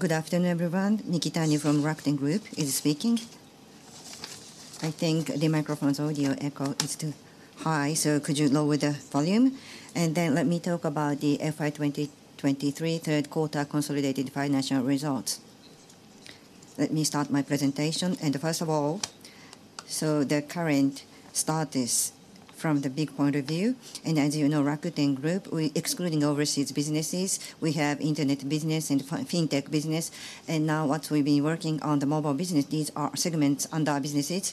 Good afternoon, everyone. Mickey Mikitani from Rakuten Group is speaking. I think the microphone's audio echo is too high, so could you lower the volume? Then let me talk about the FY 2023 third quarter consolidated financial results. Let me start my presentation. First of all, so the current status from the big point of view, and as you know, Rakuten Group, we excluding overseas businesses, we have internet business and fintech business. And now what we've been working on, the mobile business, these are segments under our businesses.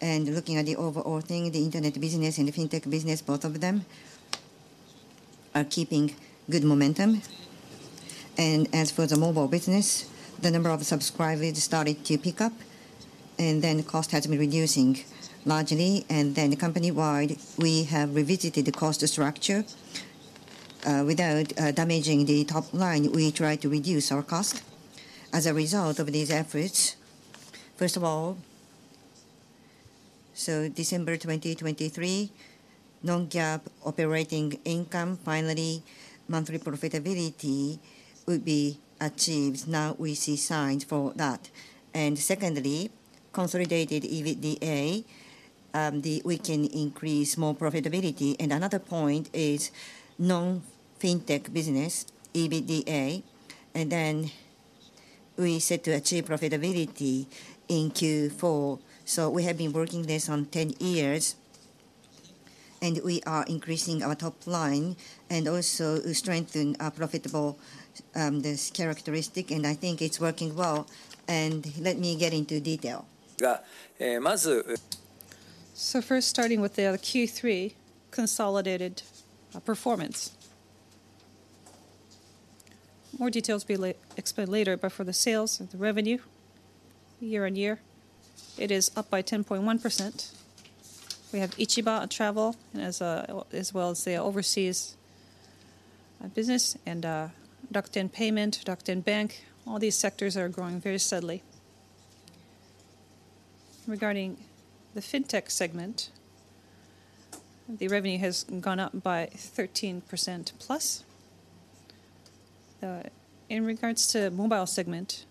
And looking at the overall thing, the internet business and the fintech business, both of them are keeping good momentum. And as for the mobile business, the number of subscribers started to pick up, and then cost has been reducing largely. And then company-wide, we have revisited the cost structure. Without damaging the top line, we tried to reduce our cost. As a result of these efforts, first of all, so December 2023, non-GAAP operating income, finally, monthly profitability will be achieved. Now, we see signs for that. And secondly, consolidated EBITDA, we can increase more profitability. And another point is non-fintech business, EBITDA, and then we set to achieve profitability in Q4. So we have been working this on 10 years, and we are increasing our top line and also strengthen our profitable this characteristic, and I think it's working well. And let me get into detail. So first starting with the Q3 consolidated performance. More details will be explained later, but for the sales and the revenue, year-on-year, it is up by 10.1%. We have Ichiba and Travel, as well as the overseas business, and Rakuten Payment, Rakuten Bank. All these sectors are growing very steadily. Regarding the fintech segment, the revenue has gone up by 13% plus. In regards to mobile segment,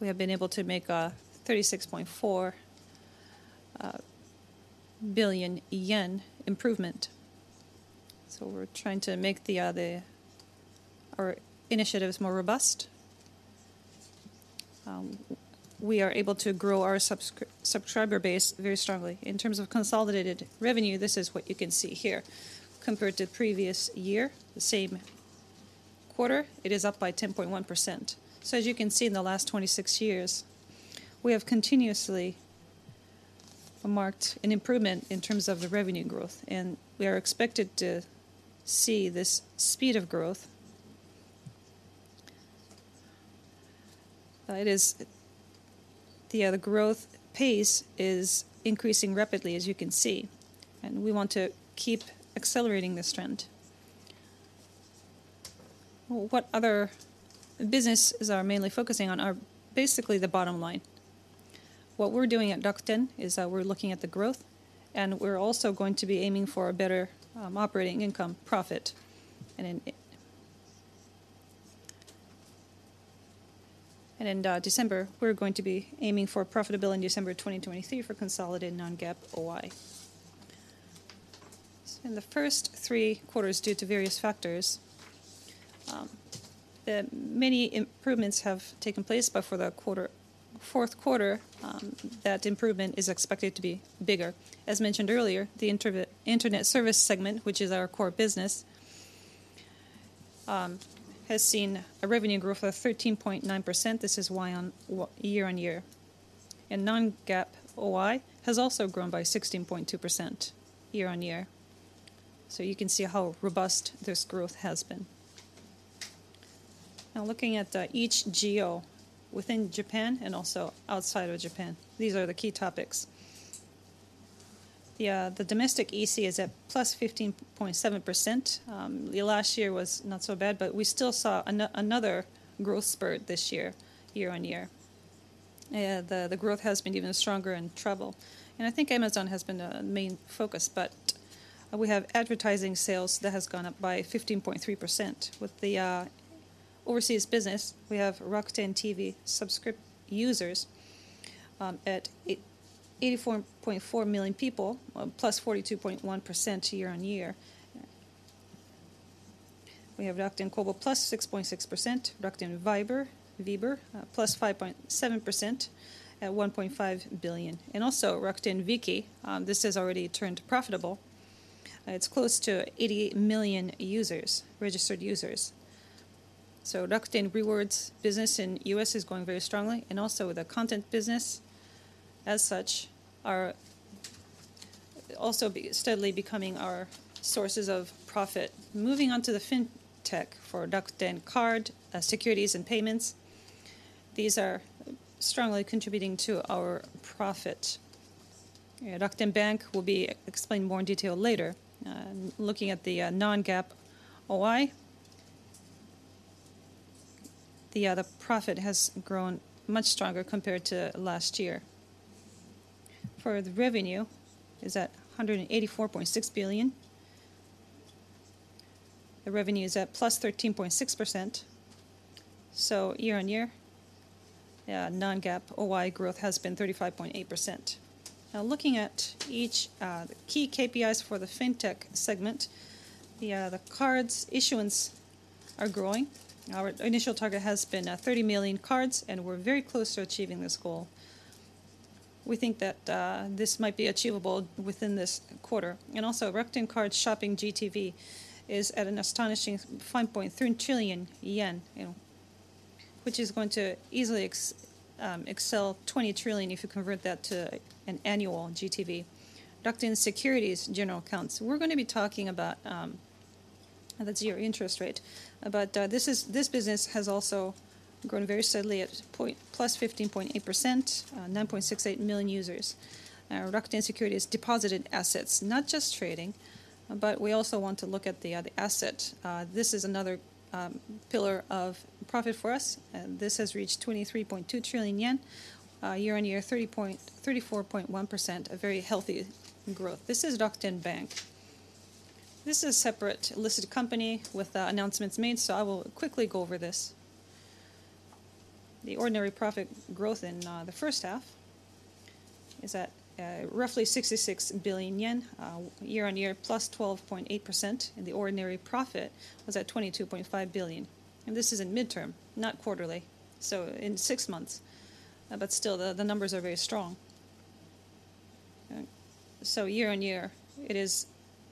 we have been able to make a 36.4 billion yen improvement. So we're trying to make the... our initiatives more robust. We are able to grow our subscriber base very strongly. In terms of consolidated revenue, this is what you can see here. Compared to previous year, the same quarter, it is up by 10.1%. So as you can see, in the last 26 years, we have continuously marked an improvement in terms of the revenue growth, and we are expected to see this speed of growth. It is... The growth pace is increasing rapidly, as you can see, and we want to keep accelerating this trend. What other businesses are mainly focusing on are basically the bottom line. What we're doing at Rakuten is that we're looking at the growth, and we're also going to be aiming for a better operating income profit. In December, we're going to be aiming for profitability in December 2023 for consolidated non-GAAP OI. In the first three quarters, due to various factors, the many improvements have taken place, but for the fourth quarter, that improvement is expected to be bigger. As mentioned earlier, the internet service segment, which is our core business, has seen a revenue growth of 13.9%. This is year-on-year. And non-GAAP OI has also grown by 16.2% year-on-year. So you can see how robust this growth has been. Now, looking at each geo within Japan and also outside of Japan, these are the key topics. The domestic EC is at +15.7%. The last year was not so bad, but we still saw another growth spurt this year, year-on-year. The growth has been even stronger in travel, and I think Amazon has been the main focus, but we have advertising sales that has gone up by 15.3%. With the overseas business, we have Rakuten TV subscription users at 84.4 million people, plus 42.1% year-on-year. We have Rakuten Kobo plus 6.6%, Rakuten Viber plus 5.7% at 1.5 billion. And also Rakuten Viki, this has already turned profitable. It's close to 80 million users, registered users. So Rakuten Rewards business in U.S. is growing very strongly, and also the content business as such are also steadily becoming our sources of profit. Moving on to the fintech for Rakuten Card, securities and payments, these are strongly contributing to our profit. Rakuten Bank will be explained more in detail later. Looking at the non-GAAP OI, yeah, the profit has grown much stronger compared to last year. For the revenue, is at 184.6 billion. The revenue is at plus 13.6%. So year-on-year, yeah, non-GAAP OI growth has been 35.8%. Now, looking at each, the key KPIs for the Fintech segment, the cards issuance are growing. Our initial target has been 30 million cards, and we're very close to achieving this goal. We think that this might be achievable within this quarter. Also, Rakuten Card shopping GTV is at an astonishing 5.3 trillion yen, you know, which is going to easily excel 20 trillion JPY if you convert that to an annual GTV. Rakuten Securities general accounts. We're going to be talking about the zero interest rate, but this business has also grown very steadily at +15.8%, 9.68 million users. Rakuten Securities deposited assets, not just trading, but we also want to look at the asset. This is another pillar of profit for us, and this has reached 23.2 trillion yen year-on-year, 34.1%, a very healthy growth. This is Rakuten Bank. This is separately listed company with announcements made, so I will quickly go over this. The ordinary profit growth in the first half is at roughly 66 billion yen year-on-year, +12.8%, and the ordinary profit was at 22.5 billion. And this is in midterm, not quarterly, so in six months, but still the numbers are very strong. So year-on-year, it is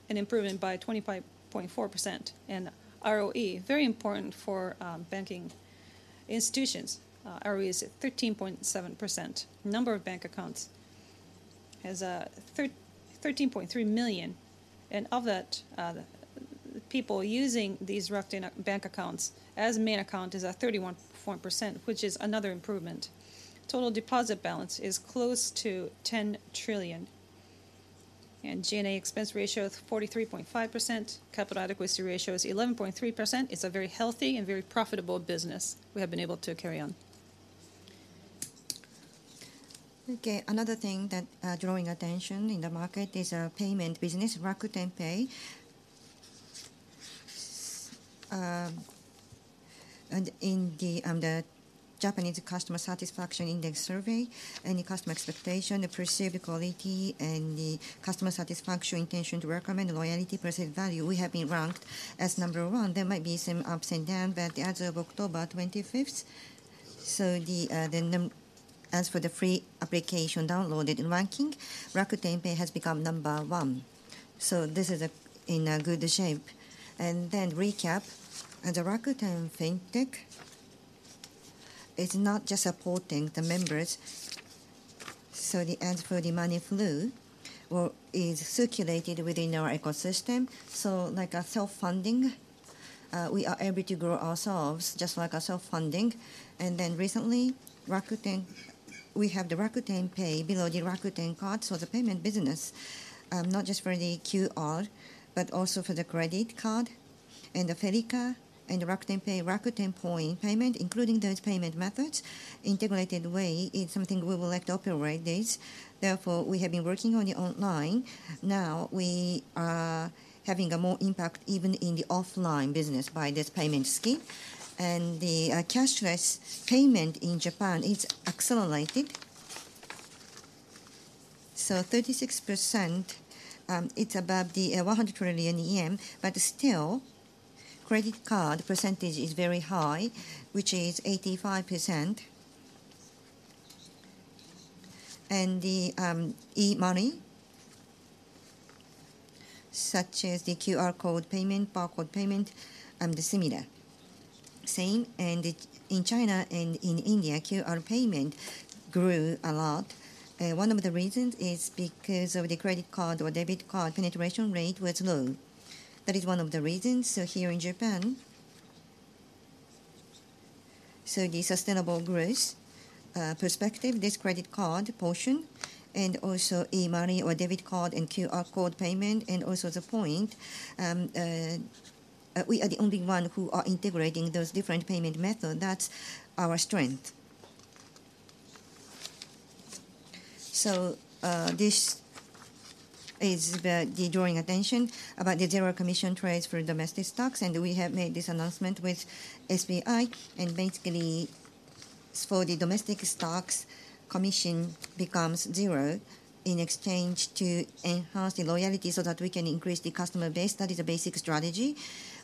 an improvement by 25.4%. And ROE, very important for banking institutions, ROE is at 13.7%. Number of bank accounts is 13.3 million, and of that, people using these Rakuten Bank accounts as main account is at 31%, which is another improvement. Total deposit balance is close to 10 trillion, and G&A expense ratio is 43.5%. Capital adequacy ratio is 11.3%. It's a very healthy and very profitable business we have been able to carry on. Okay, another thing that, drawing attention in the market is our payment business, Rakuten Pay. And in the Japanese Customer Satisfaction Index survey, and the customer expectation, the perceived quality, and the customer satisfaction, intention to recommend, loyalty, perceived value, we have been ranked as number one. There might be some ups and downs, but as of October 25th, so as for the free application downloaded in ranking, Rakuten Pay has become number one. So this is in a good shape. And then recap, the Rakuten Fintech is not just supporting the members. So as for the money flow, well, is circulated within our ecosystem. So like a self-funding, we are able to grow ourselves, just like a self-funding. Then recently, Rakuten, we have the Rakuten Pay below the Rakuten Card, so the payment business, not just for the QR, but also for the credit card and the FeliCa, and Rakuten Pay, Rakuten Point payment, including those payment methods, integrated way is something we would like to operate this. Therefore, we have been working on the online. Now, we are having a more impact even in the offline business by this payment scheme. The cashless payment in Japan is accelerated. So 36%, it's above the 100 trillion, but still, credit card percentage is very high, which is 85%. And the e-money, such as the QR code payment, barcode payment, and the similar same, and in China and in India, QR payment grew a lot. One of the reasons is because of the credit card or debit card penetration rate was low. That is one of the reasons, so here in Japan. So the sustainable growth perspective, this credit card portion, and also e-money or debit card and QR code payment, and also the point, we are the only one who are integrating those different payment method. That's our strength. So, this is the drawing attention about the zero commission trades for domestic stocks, and we have made this announcement with SBI. And basically, for the domestic stocks, commission becomes zero in exchange to enhance the loyalty so that we can increase the customer base. That is the basic strategy.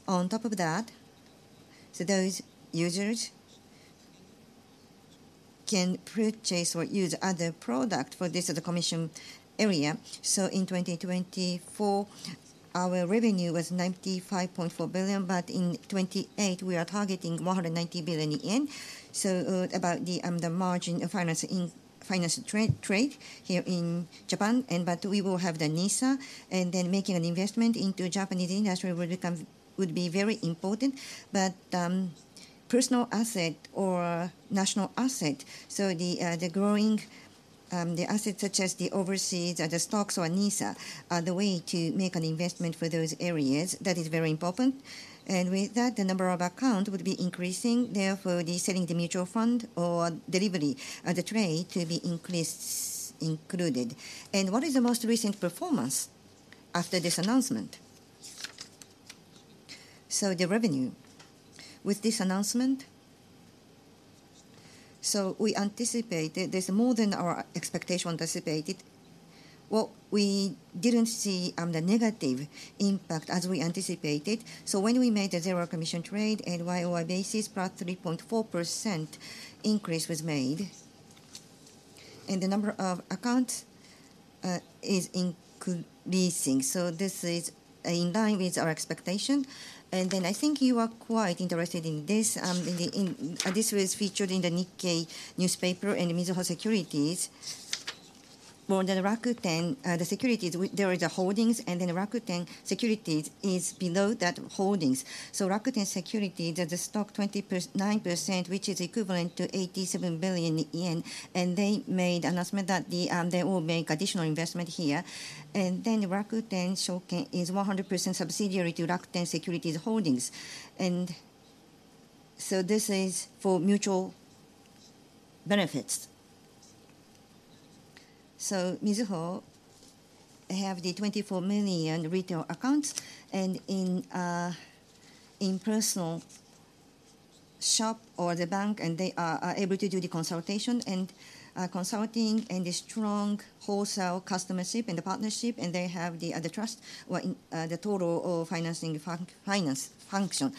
On top of that, so those users can purchase or use other product for this other commission area. So in 2024, our revenue was 95.4 billion, but in 2028, we are targeting 190 billion yen. So, about the margin of finance in finance trade here in Japan, and but we will have the NISA, and then making an investment into Japanese industry would be very important. But, personal asset or national asset, so the assets such as the overseas or the stocks or NISA are the way to make an investment for those areas. That is very important. And with that, the number of account would be increasing, therefore, the selling the mutual fund or delivery of the trade to be increased, included. And what is the most recent performance after this announcement? So the revenue with this announcement, so we anticipated there's more than our expectation anticipated. What we didn't see the negative impact as we anticipated. So when we made the zero commission trade and Y-o-Y basis, +3.4% increase was made, and the number of accounts is increasing. So this is in line with our expectation. And then I think you are quite interested in this. This was featured in the Nikkei newspaper and Mizuho Securities. More than Rakuten the securities there is the holdings, and then Rakuten Securities is below that holdings. So Rakuten Securities has a stock 29%, which is equivalent to 87 billion yen, and they made announcement that they will make additional investment here. And then Rakuten Securities is 100% subsidiary to Rakuten Securities Holdings. And so this is for mutual benefits. So Mizuho have the 24 million retail accounts, and in personal banking and the bank, and they are able to do the consultation and consulting, and the strong wholesale customership and the partnership, and they have the trust, the total of financing finance function.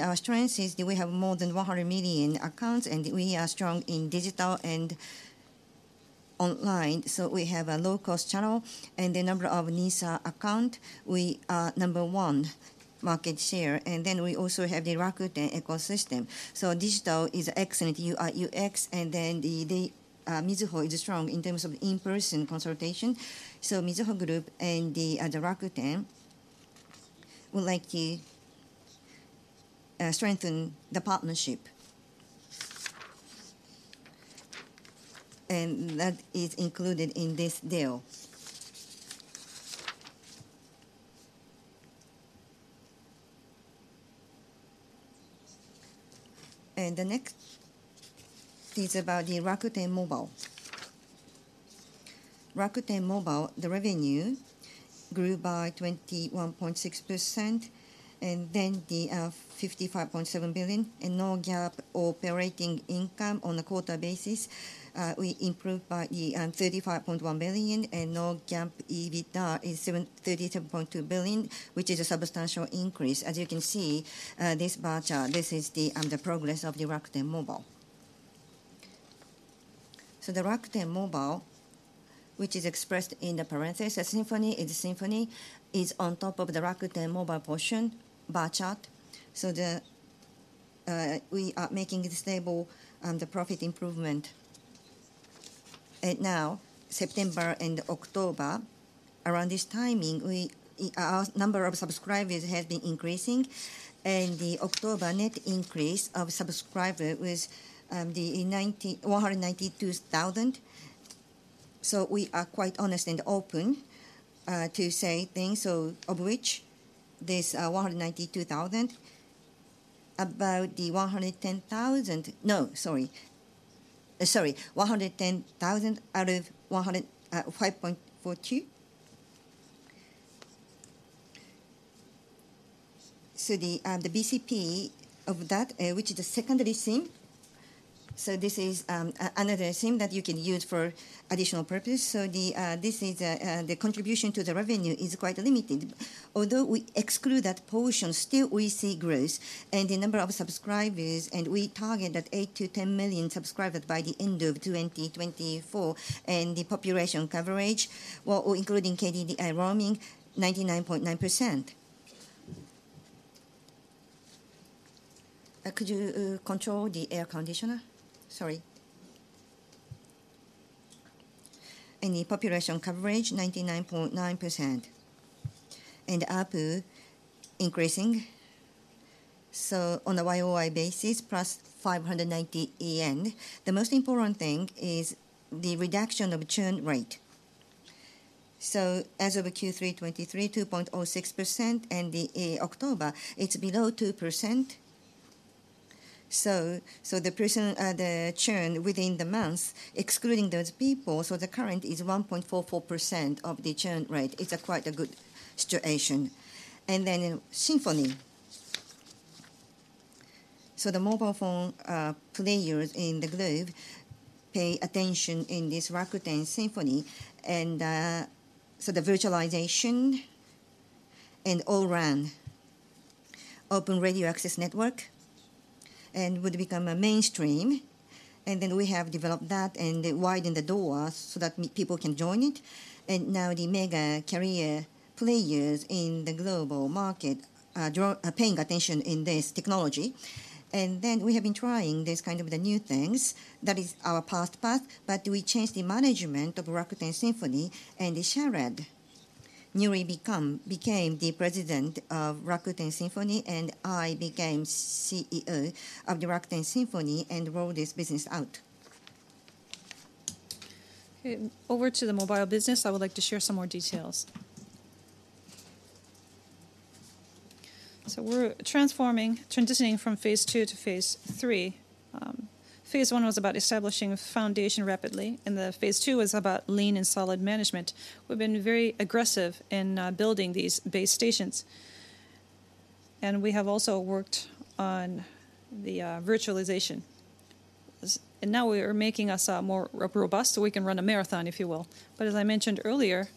Our strength is that we have more than 100 million accounts, and we are strong in digital and online, so we have a low-cost channel. The number of NISA account, we are number one market share, and then we also have the Rakuten ecosystem. So digital is excellent, UX, and then the Mizuho is strong in terms of in-person consultation. So Mizuho Group and the Rakuten would like to strengthen the partnership. That is included in this deal. The next is about the Rakuten Mobile. Rakuten Mobile, the revenue grew by 21.6%, and then the 55.7 billion, and non-GAAP operating income on a quarter basis, we improved by 35.1 billion, and non-GAAP EBITDA is 77.2 billion, which is a substantial increase. As you can see, this bar chart, this is the progress of the Rakuten Mobile. So the Rakuten Mobile, which is expressed in the parenthesis, Symphony, is Symphony, is on top of the Rakuten Mobile portion bar chart. So we are making it stable, the profit improvement. And now, September and October, around this timing, we, our number of subscribers has been increasing, and the October net increase of subscriber was the 192,000. So we are quite honest and open to say things, so of which this 192,000, about the 110,000... No, sorry. Sorry, 110,000 out of 105.42. So the BCP of that, which is the secondary SIM. So this is another SIM that you can use for additional purpose. So this is the contribution to the revenue is quite limited. Although we exclude that portion, still we see growth and the number of subscribers, and we target 8-10 million subscribers by the end of 2024, and the population coverage, well, including KDDI roaming, 99.9%. Could you control the air conditioner? Sorry. And the population coverage, 99.9%. ARPU increasing, so on a Y-o-Y basis, +590 yen. The most important thing is the reduction of churn rate. So as of Q3 2023, 2.06%, and October, it's below 2%. So the portion, the churn within the month, excluding those people, so the current is 1.44% of the churn rate. It's a quite good situation. And then in Symphony, so the mobile phone players in the globe pay attention in this Rakuten Symphony, and so the virtualization and O-RAN, Open Radio Access Network, and would become a mainstream. And then we have developed that and widened the door so that many people can join it. And now the mega carrier players in the global market are paying attention in this technology. Then we have been trying this kind of new things. That is our past path, but we changed the management of Rakuten Symphony and Sharad newly became the president of Rakuten Symphony, and I became CEO of Rakuten Symphony and roll this business out. Okay, over to the mobile business, I would like to share some more details. So we're transforming, transitioning from phase two to phase three. Phase one was about establishing a foundation rapidly, and phase two was about lean and solid management. We've been very aggressive in building these base stations, and we have also worked on the virtualization. And now we are making us more robust, so we can run a marathon, if you will. But as I mentioned earlier,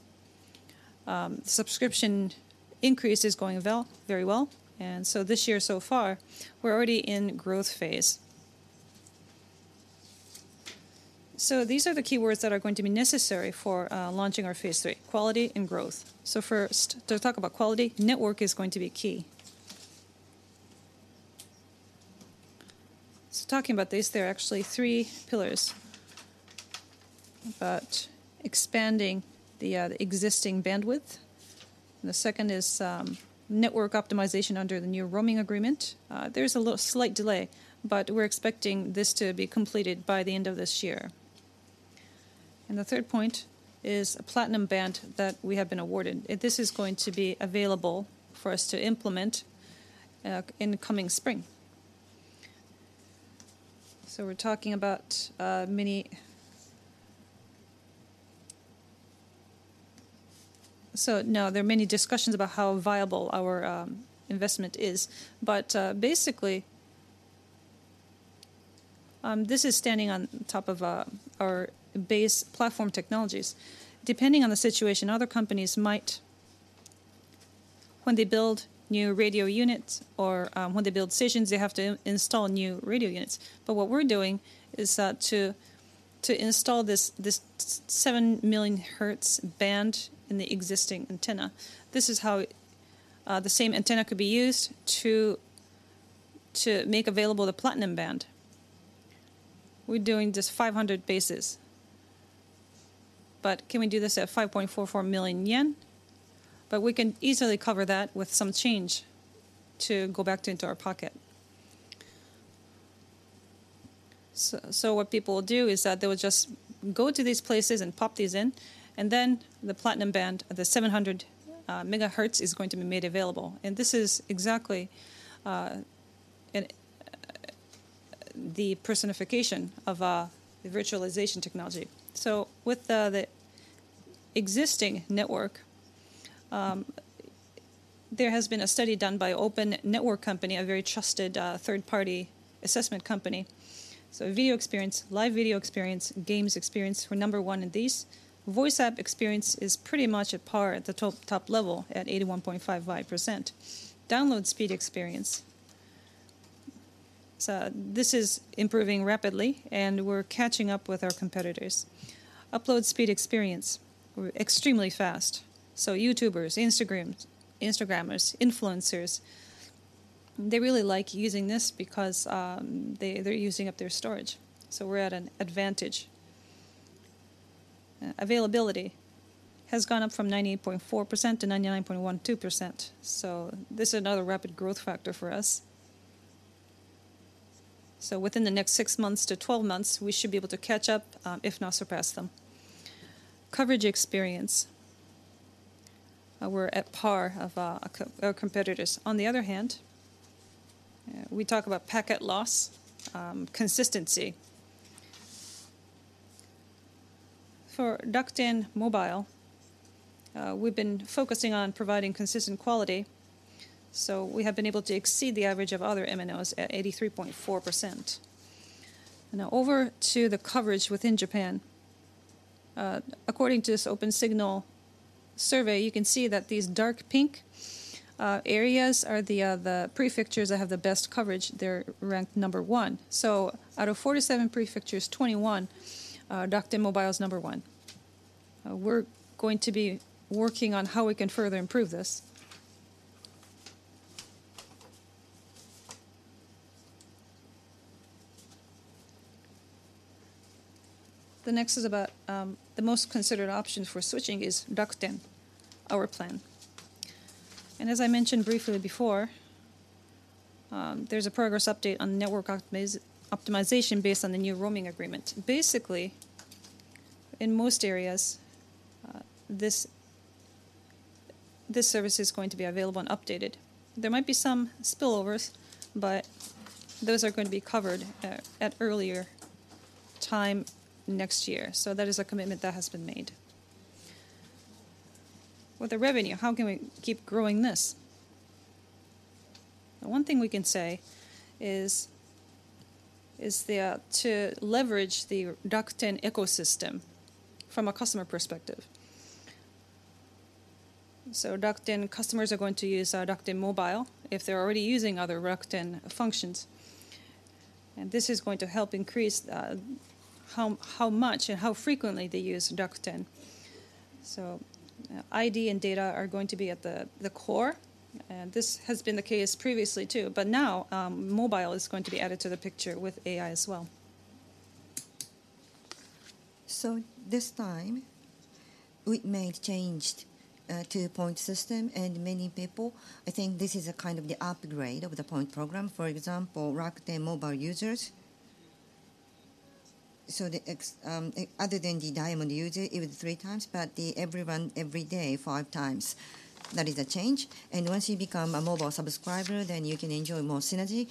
subscription increase is going well, very well, and so this year so far, we're already in growth phase. So these are the keywords that are going to be necessary for launching our phase three: quality and growth. So first, to talk about quality, network is going to be key. So talking about this, there are actually three pillars. About expanding the, the existing bandwidth, and the second is, network optimization under the new roaming agreement. There's a little slight delay, but we're expecting this to be completed by the end of this year. And the third point is a Platinum Band that we have been awarded. This is going to be available for us to implement, in the coming spring. So we're talking about, many... So now there are many discussions about how viable our, investment is. But, basically, this is standing on top of, our base platform technologies. Depending on the situation, other companies might... When they build new radio units or, when they build stations, they have to install new radio units. But what we're doing is, to install this 700 MHz band in the existing antenna. This is how, the same antenna could be used to, to make available the platinum band. We're doing this 500 bases. But can we do this at 5.44 million yen? But we can easily cover that with some change to go back into our pocket. So, so what people will do is that they will just go to these places and pop these in, and then the platinum band, the 700 MHz, is going to be made available. And this is exactly, the personification of, the virtualization technology. So with the, the existing network, there has been a study done by OpenSignal, a very trusted, third-party assessment company. So video experience, live video experience, games experience, we're number one in these. Voice app experience is pretty much at par at the top, top level, at 81.55%. Download speed experience, so this is improving rapidly, and we're catching up with our competitors. Upload speed experience, we're extremely fast. So YouTubers, Instagram, Instagrammers, influencers, they really like using this because, they, they're using up their storage, so we're at an advantage. Availability has gone up from 98.4% to 99.12%, so this is another rapid growth factor for us. So within the next 6 months to 12 months, we should be able to catch up, if not surpass them. Coverage experience, we're at par of, our co- our competitors. On the other hand, we talk about packet loss, consistency. For Rakuten Mobile, we've been focusing on providing consistent quality, so we have been able to exceed the average of other MNOs at 83.4%. Now, over to the coverage within Japan. According to this OpenSignal survey, you can see that these dark pink areas are the prefectures that have the best coverage. They're ranked number one. So out of 47 prefectures, 21, Rakuten Mobile is number one. We're going to be working on how we can further improve this. The next is about the most considered options for switching is Rakuten, our plan. And as I mentioned briefly before, there's a progress update on network optimization based on the new roaming agreement. Basically, in most areas, this service is going to be available and updated. There might be some spillovers, but those are going to be covered at earlier time next year. So that is a commitment that has been made. With the revenue, how can we keep growing this? The one thing we can say is to leverage the Rakuten ecosystem from a customer perspective. So Rakuten customers are going to use Rakuten Mobile if they're already using other Rakuten functions. And this is going to help increase how much and how frequently they use Rakuten. So ID and data are going to be at the core, and this has been the case previously, too. But now, mobile is going to be added to the picture with AI as well.... So this time, we made changes to the point system and many people, I think this is a kind of the upgrade of the point program. For example, Rakuten Mobile users, so the ex, other than the diamond user, it was three times, but the everyone, every day, five times, that is a change. And once you become a mobile subscriber, then you can enjoy more synergy.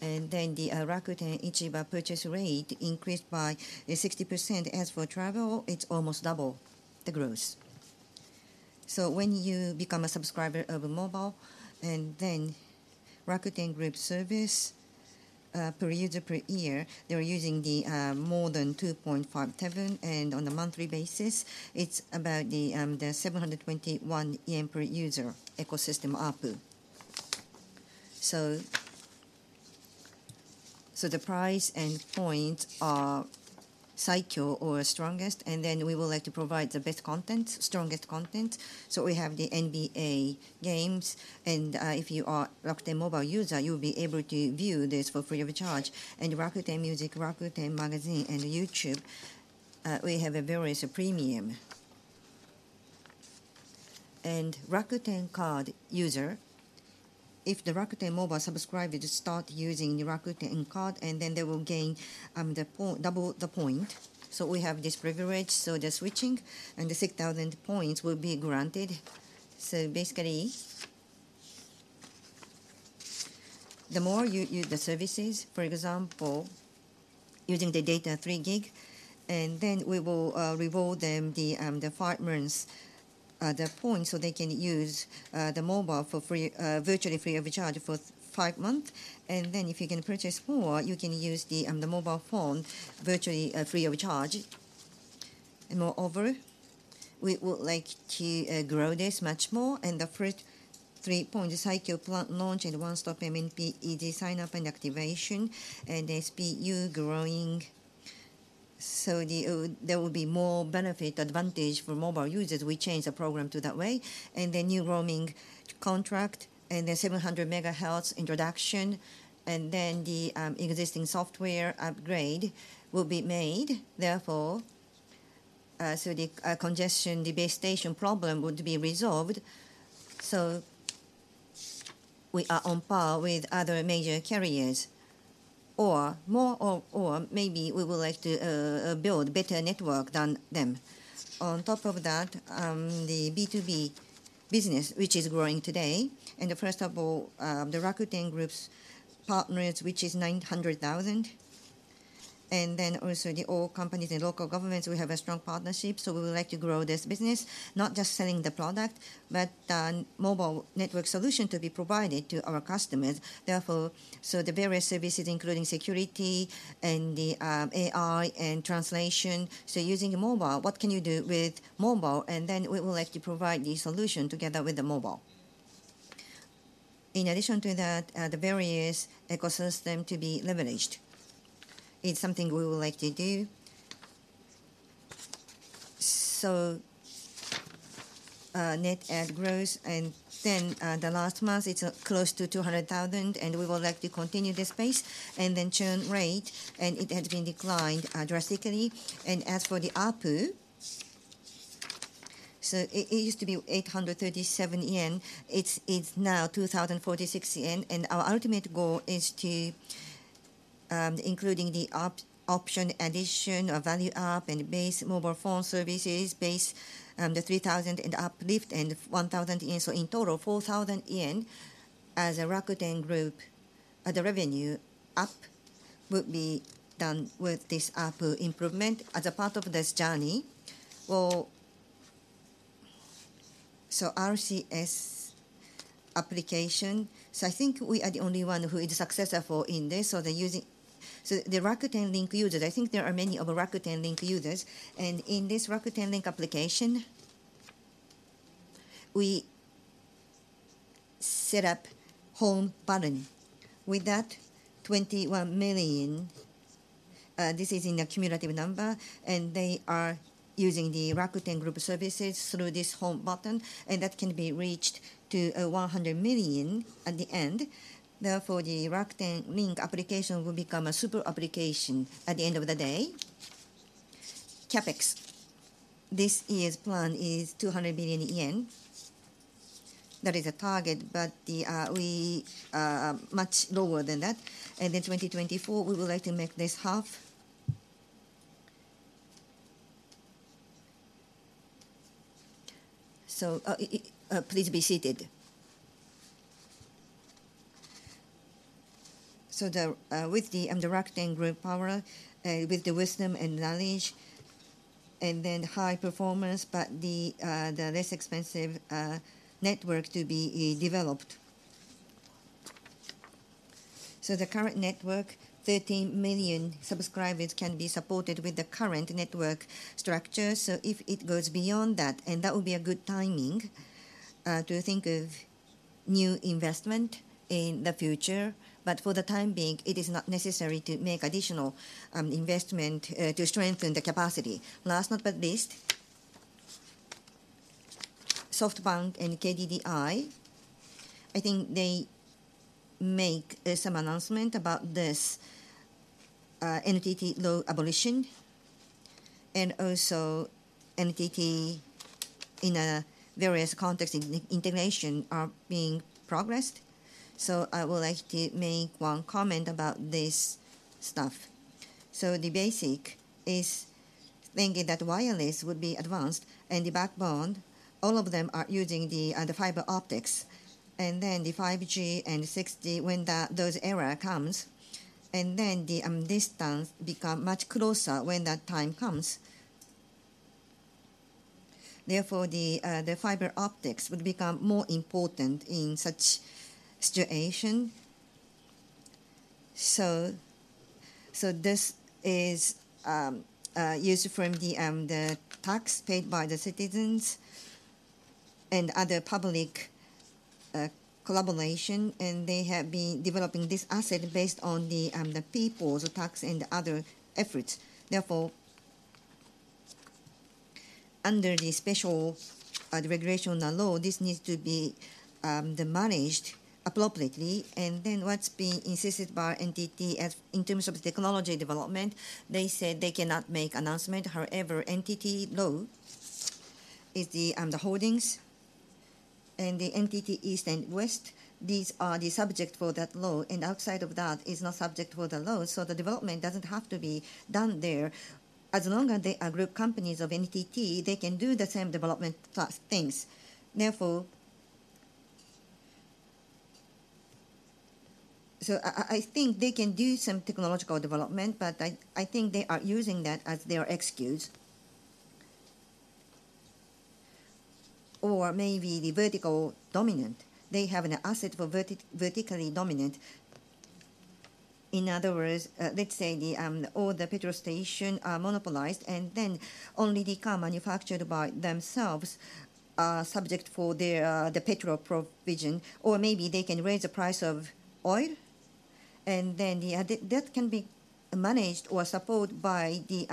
And then the Rakuten Ichiba purchase rate increased by 60%. As for travel, it's almost double the growth. So when you become a subscriber of mobile, and then Rakuten Group service, uh, per user per year, they're using the more than 2.5 trillion, and on a monthly basis, it's about the 721 yen per user ecosystem ARPU. So the price and points are Saikyo or strongest, and then we would like to provide the best content, strongest content. So we have the NBA games, and if you are Rakuten Mobile user, you'll be able to view this for free of charge. And Rakuten Music, Rakuten Magazine, and YouTube, we have a various premium. And Rakuten Card user, if the Rakuten Mobile subscriber start using the Rakuten Card, and then they will gain the double the point. So we have this privilege, so the switching and the 6,000 points will be granted. So basically, the more you use the services, for example, using the data 3 gig, and then we will reward them the the 5 months the points, so they can use the mobile for free virtually free of charge for 5 months. Then if you can purchase more, you can use the, the mobile phone virtually, free of charge. Moreover, we would like to, grow this much more, and the first three point, the Saikyo Plan launch and one-stop MNP, easy sign-up and activation, and the SPU growing. So the, there will be more benefit advantage for mobile users. We changed the program to that way, and the new roaming contract, and the 700 megahertz introduction, and then the, existing software upgrade will be made. Therefore, so the, congestion, the base station problem would be resolved. So we are on par with other major carriers or more, or, or maybe we would like to, build better network than them. On top of that, the B2B business, which is growing today, and first of all, the Rakuten Group's partners, which is 900,000, and then also the oil companies and local governments, we have a strong partnership, so we would like to grow this business. Not just selling the product, but mobile network solution to be provided to our customers. Therefore, the various services, including security and the AI and translation. So using mobile, what can you do with mobile? And then we would like to provide the solution together with the mobile. In addition to that, the various ecosystem to be leveraged is something we would like to do. So, net add growth, and then, the last month, it's close to 200,000, and we would like to continue this pace, and then churn rate, and it has been declined drastically. And as for the ARPU, so it used to be 837 yen. It's now 2,046 yen, and our ultimate goal is to, including the option addition or value up and base mobile phone services, base, the 3,000 uplift and 1,000 yen. So in total, 4,000 yen as a Rakuten Group, the revenue up will be done with this ARPU improvement as a part of this journey. Well, so RCS application, so I think we are the only one who is successful in this. So they're using... So the Rakuten Link users, I think there are many of Rakuten Link users, and in this Rakuten Link application, we set up home button. With that, 21 million, this is in a cumulative number, and they are using the Rakuten Group services through this home button, and that can be reached to 100 million at the end. Therefore, the Rakuten Link application will become a super application at the end of the day. CapEx, this year's plan is JPY 200 billion. That is a target, but we much lower than that, and in 2024, we would like to make this half. So, please be seated. So, with the Rakuten Group power, with the wisdom and knowledge, and then high performance, but the less expensive network to be developed. So the current network, 13 million subscribers can be supported with the current network structure. So if it goes beyond that, and that would be a good timing to think of new investment in the future, but for the time being, it is not necessary to make additional investment to strengthen the capacity. Last but not least, SoftBank and KDDI, I think they make some announcement about this NTT Law abolition, and also NTT in a various context, integration are being progressed. So I would like to make one comment about this stuff. So the basic is thinking that wireless would be advanced, and the backbone, all of them are using the the fiber optics. And then the 5G and 6G, when those era comes, and then the distance become much closer when that time comes. Therefore, the fiber optics would become more important in such situation. So, this is used from the tax paid by the citizens and other public collaboration, and they have been developing this asset based on the people's tax and other efforts. Therefore, under the special regulation and law, this needs to be managed appropriately. And then what's being insisted by NTT as in terms of technology development, they said they cannot make announcement. However, NTT Law is the holdings and the NTT East and West, these are the subject for that law, and outside of that is not subject for the law, so the development doesn't have to be done there. As long as they are group companies of NTT, they can do the same development type things. Therefore... So I think they can do some technological development, but I think they are using that as their excuse. Or maybe the vertical dominant. They have an asset for vertically dominant. In other words, let's say all the petrol station are monopolized, and then only the car manufactured by themselves are subject for their the petrol provision, or maybe they can raise the price of oil, and then that can be managed or supported by the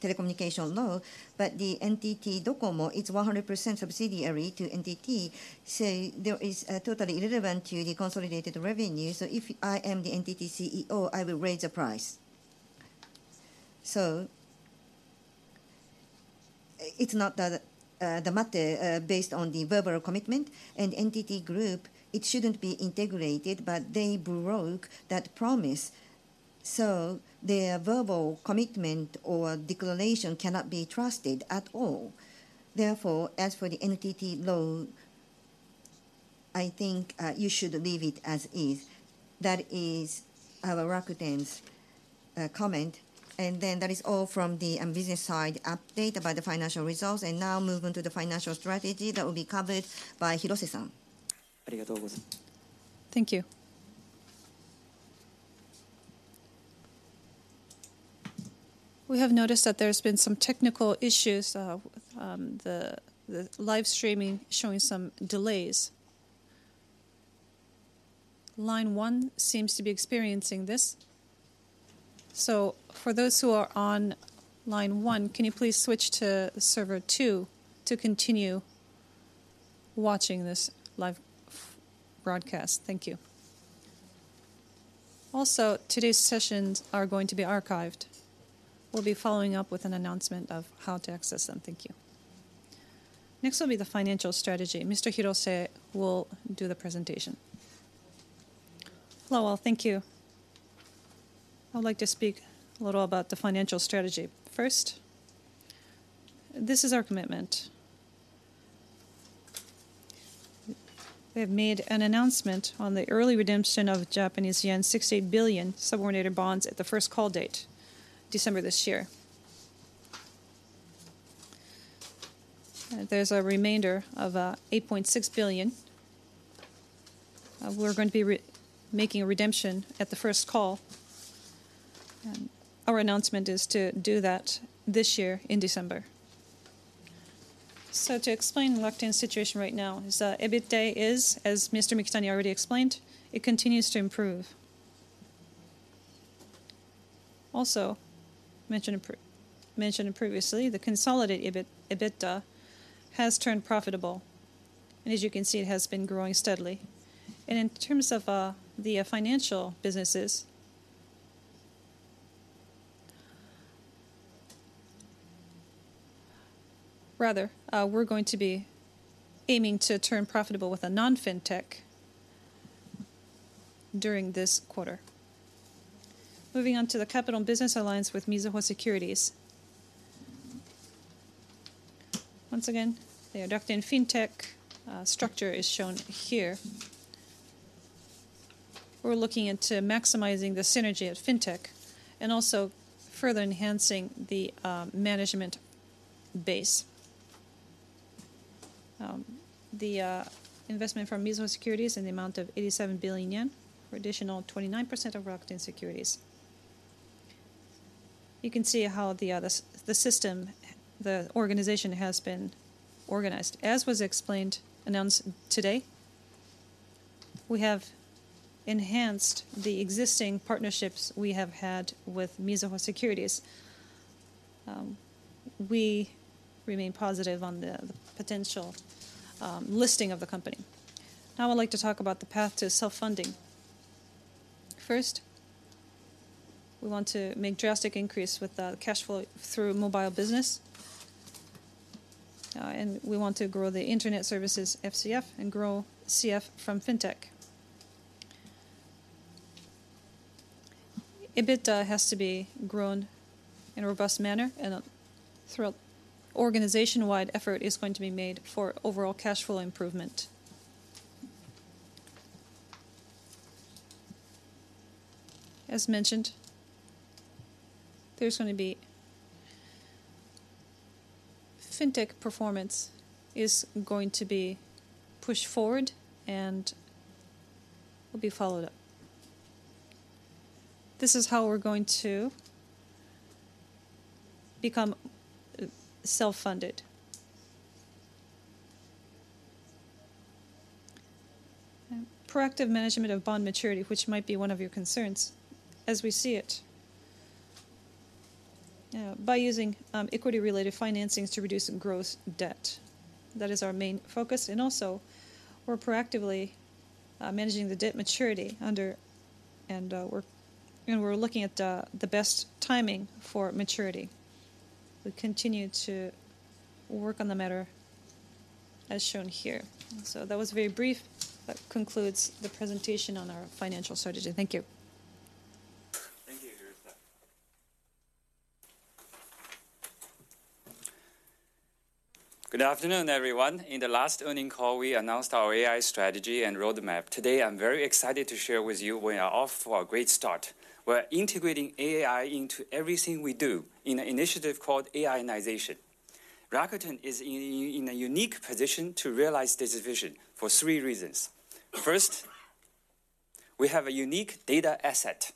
telecommunication law. But the NTT Docomo, it's 100% subsidiary to NTT, so there is totally irrelevant to the consolidated revenue. So if I am the NTT CEO, I will raise the price. So it's not the matter based on the verbal commitment, and NTT Group, it shouldn't be integrated, but they broke that promise, so their verbal commitment or declaration cannot be trusted at all. Therefore, as for the NTT law, I think you should leave it as is. That is Rakuten's comment, and then that is all from the business side update about the financial results. And now moving to the financial strategy. That will be covered by Hirose-san. Thank you. We have noticed that there's been some technical issues, the live streaming showing some delays. Line 1 seems to be experiencing this, so for those who are on line 1, can you please switch to server 2 to continue watching this live broadcast? Thank you. Also, today's sessions are going to be archived. We'll be following up with an announcement of how to access them. Thank you. Next will be the financial strategy. Mr. Hirose will do the presentation. Hello, all. Thank you. I'd like to speak a little about the financial strategy. First, this is our commitment. We have made an announcement on the early redemption of Japanese yen 68 billion subordinated bonds at the first call date, December this year. There's a remainder of 8.6 billion. We're going to be making a redemption at the first call, and our announcement is to do that this year in December. To explain Rakuten's situation right now is that EBITDA is, as Mr. Mikitani already explained, it continues to improve. Also, mentioned previously, the consolidated EBITDA has turned profitable, and as you can see, it has been growing steadily. In terms of the financial businesses... Rather, we're going to be aiming to turn profitable with a non-fintech during this quarter. Moving on to the capital business alliance with Mizuho Securities. Once again, the Rakuten Fintech structure is shown here. We're looking into maximizing the synergy of Fintech and also further enhancing the management base. The investment from Mizuho Securities in the amount of 87 billion yen, for additional 29% of Rakuten Securities. You can see how the system, the organization has been organized. As was explained, announced today, we have enhanced the existing partnerships we have had with Mizuho Securities. We remain positive on the potential listing of the company. Now I'd like to talk about the path to self-funding. First, we want to make drastic increase with the cash flow through mobile business, and we want to grow the internet services FCF and grow CF from FinTech. EBITDA has to be grown in a robust manner, and a thorough organization-wide effort is going to be made for overall cash flow improvement. As mentioned, there's gonna be FinTech performance is going to be pushed forward and will be followed up. This is how we're going to become self-funded. Proactive management of bond maturity, which might be one of your concerns, as we see it, by using equity-related financings to reduce gross debt. That is our main focus, and also we're proactively managing the debt maturity under and we're, you know, we're looking at the best timing for maturity. We continue to work on the matter as shown here. So that was very brief, that concludes the presentation on our financial strategy. Thank you. Thank you, Hirose. Good afternoon, everyone. In the last earnings call, we announced our AI strategy and roadmap. Today, I'm very excited to share with you we are off to a great start. We're integrating AI into everything we do in an initiative called AI-nization. Rakuten is in a unique position to realize this vision for three reasons: First, we have a unique data asset.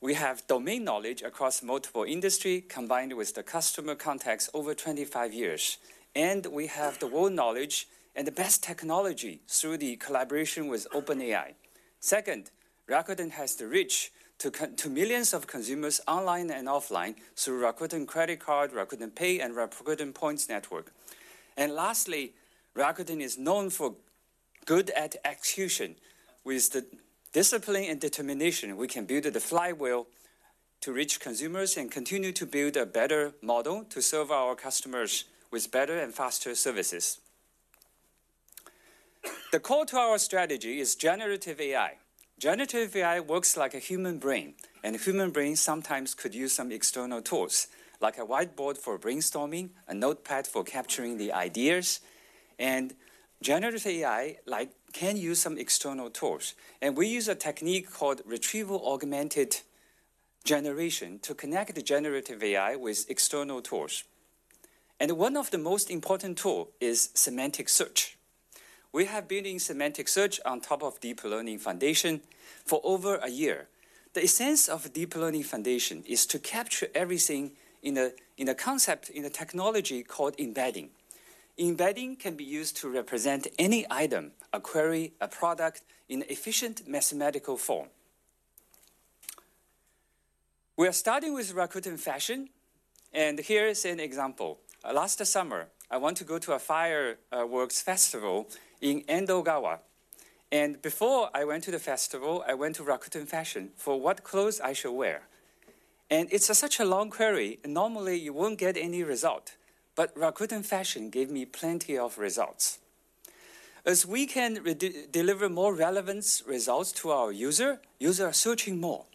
We have domain knowledge across multiple industry, combined with the customer contacts over 25 years, and we have the world knowledge and the best technology through the collaboration with OpenAI. Second, Rakuten has the reach to millions of consumers online and offline through Rakuten Credit Card, Rakuten Pay, and Rakuten Points Network. And lastly, Rakuten is known for good at execution. With the discipline and determination, we can build the flywheel to reach consumers and continue to build a better model to serve our customers with better and faster services. The core to our strategy is generative AI. Generative AI works like a human brain, and the human brain sometimes could use some external tools, like a whiteboard for brainstorming, a notepad for capturing the ideas, and generative AI, like, can use some external tools. We use a technique called Retrieval-Augmented Generation to connect the generative AI with external tools. One of the most important tool is Semantic Search. We have been in Semantic Search on top of deep learning foundation for over a year. The essence of deep learning foundation is to capture everything in a, in a concept, in a technology called embedding. Embedding can be used to represent any item, a query, a product, in efficient mathematical form. We are starting with Rakuten Fashion, and here is an example. Last summer, I want to go to a fireworks festival in Edogawa, and before I went to the festival, I went to Rakuten Fashion for what clothes I should wear. And it's such a long query, and normally you won't get any result, but Rakuten Fashion gave me plenty of results. As we can deliver more relevant results to our user, user are searching more,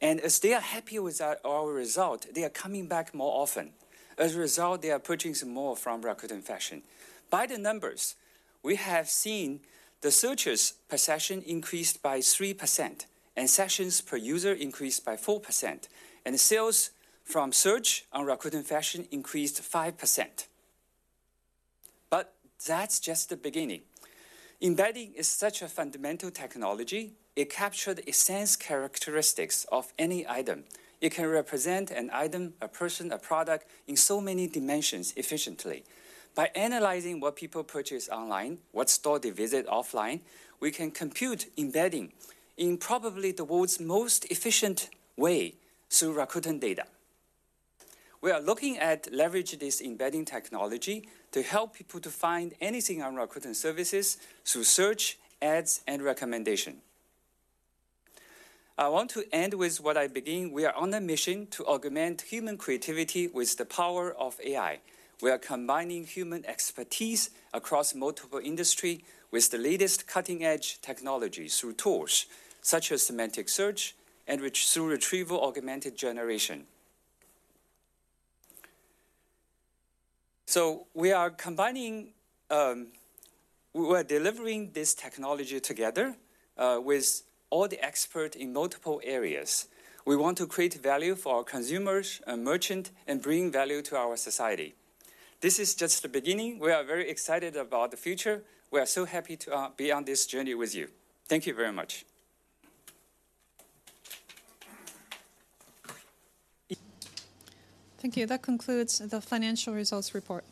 and as they are happy with our, our result, they are coming back more often. As a result, they are purchasing more from Rakuten Fashion. By the numbers, we have seen the searches per session increased by 3%, and sessions per user increased by 4%, and sales from search on Rakuten Fashion increased 5%. But that's just the beginning. Embedding is such a fundamental technology. It captures the essence characteristics of any item. It can represent an item, a person, a product, in so many dimensions efficiently. By analyzing what people purchase online, what store they visit offline, we can compute embedding in probably the world's most efficient way through Rakuten data. We are looking at leverage this embedding technology to help people to find anything on Rakuten services through search, ads, and recommendation. I want to end with what I begin. We are on a mission to augment human creativity with the power of AI. We are combining human expertise across multiple industry with the latest cutting-edge technology through tools such as semantic search and through retrieval-augmented generation. So we are combining. We are delivering this technology together with all the expert in multiple areas. We want to create value for our consumers and merchant and bring value to our society. This is just the beginning. We are very excited about the future. We are so happy to be on this journey with you. Thank you very much.... Thank you. That concludes the financial results report.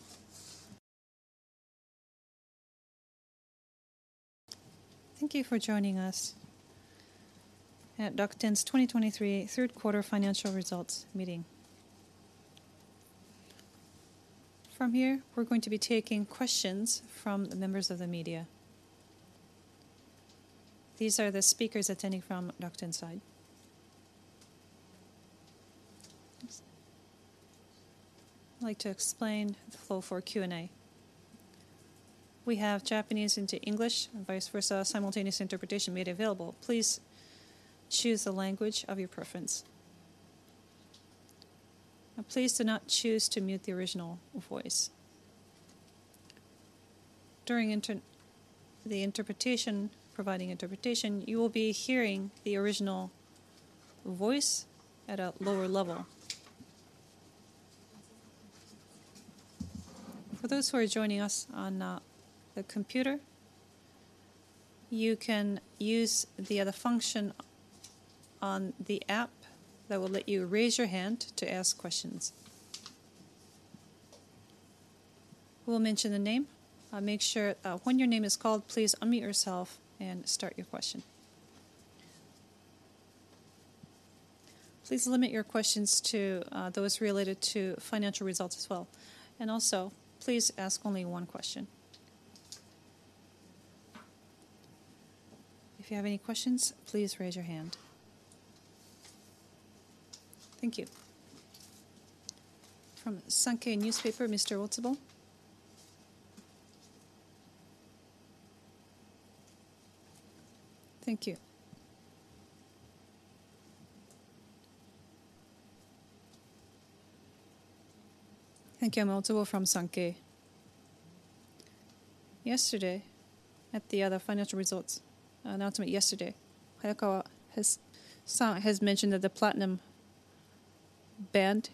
Thank you for joining us at Rakuten Group's 2023 third quarter financial results meeting. From here, we're going to be taking questions from the members of the media. These are the speakers attending from Rakuten Group's side. I'd like to explain the flow for Q&A. We have Japanese into English and vice versa, simultaneous interpretation made available. Please choose the language of your preference. And please do not choose to mute the original voice. During the interpretation, providing interpretation, you will be hearing the original voice at a lower level. For those who are joining us on the computer, you can use the other function on the app that will let you raise your hand to ask questions. We'll mention the name. Make sure when your name is called, please unmute yourself and start your question. Please limit your questions to those related to financial results as well. And also, please ask only one question. If you have any questions, please raise your hand. Thank you. From Sankei Newspaper, Mr. Otsubo. Thank you. Thank you. I'm Otsubo from Sankei. Yesterday, at the other financial results announcement yesterday, Miyakawa has mentioned that the Platinum Band,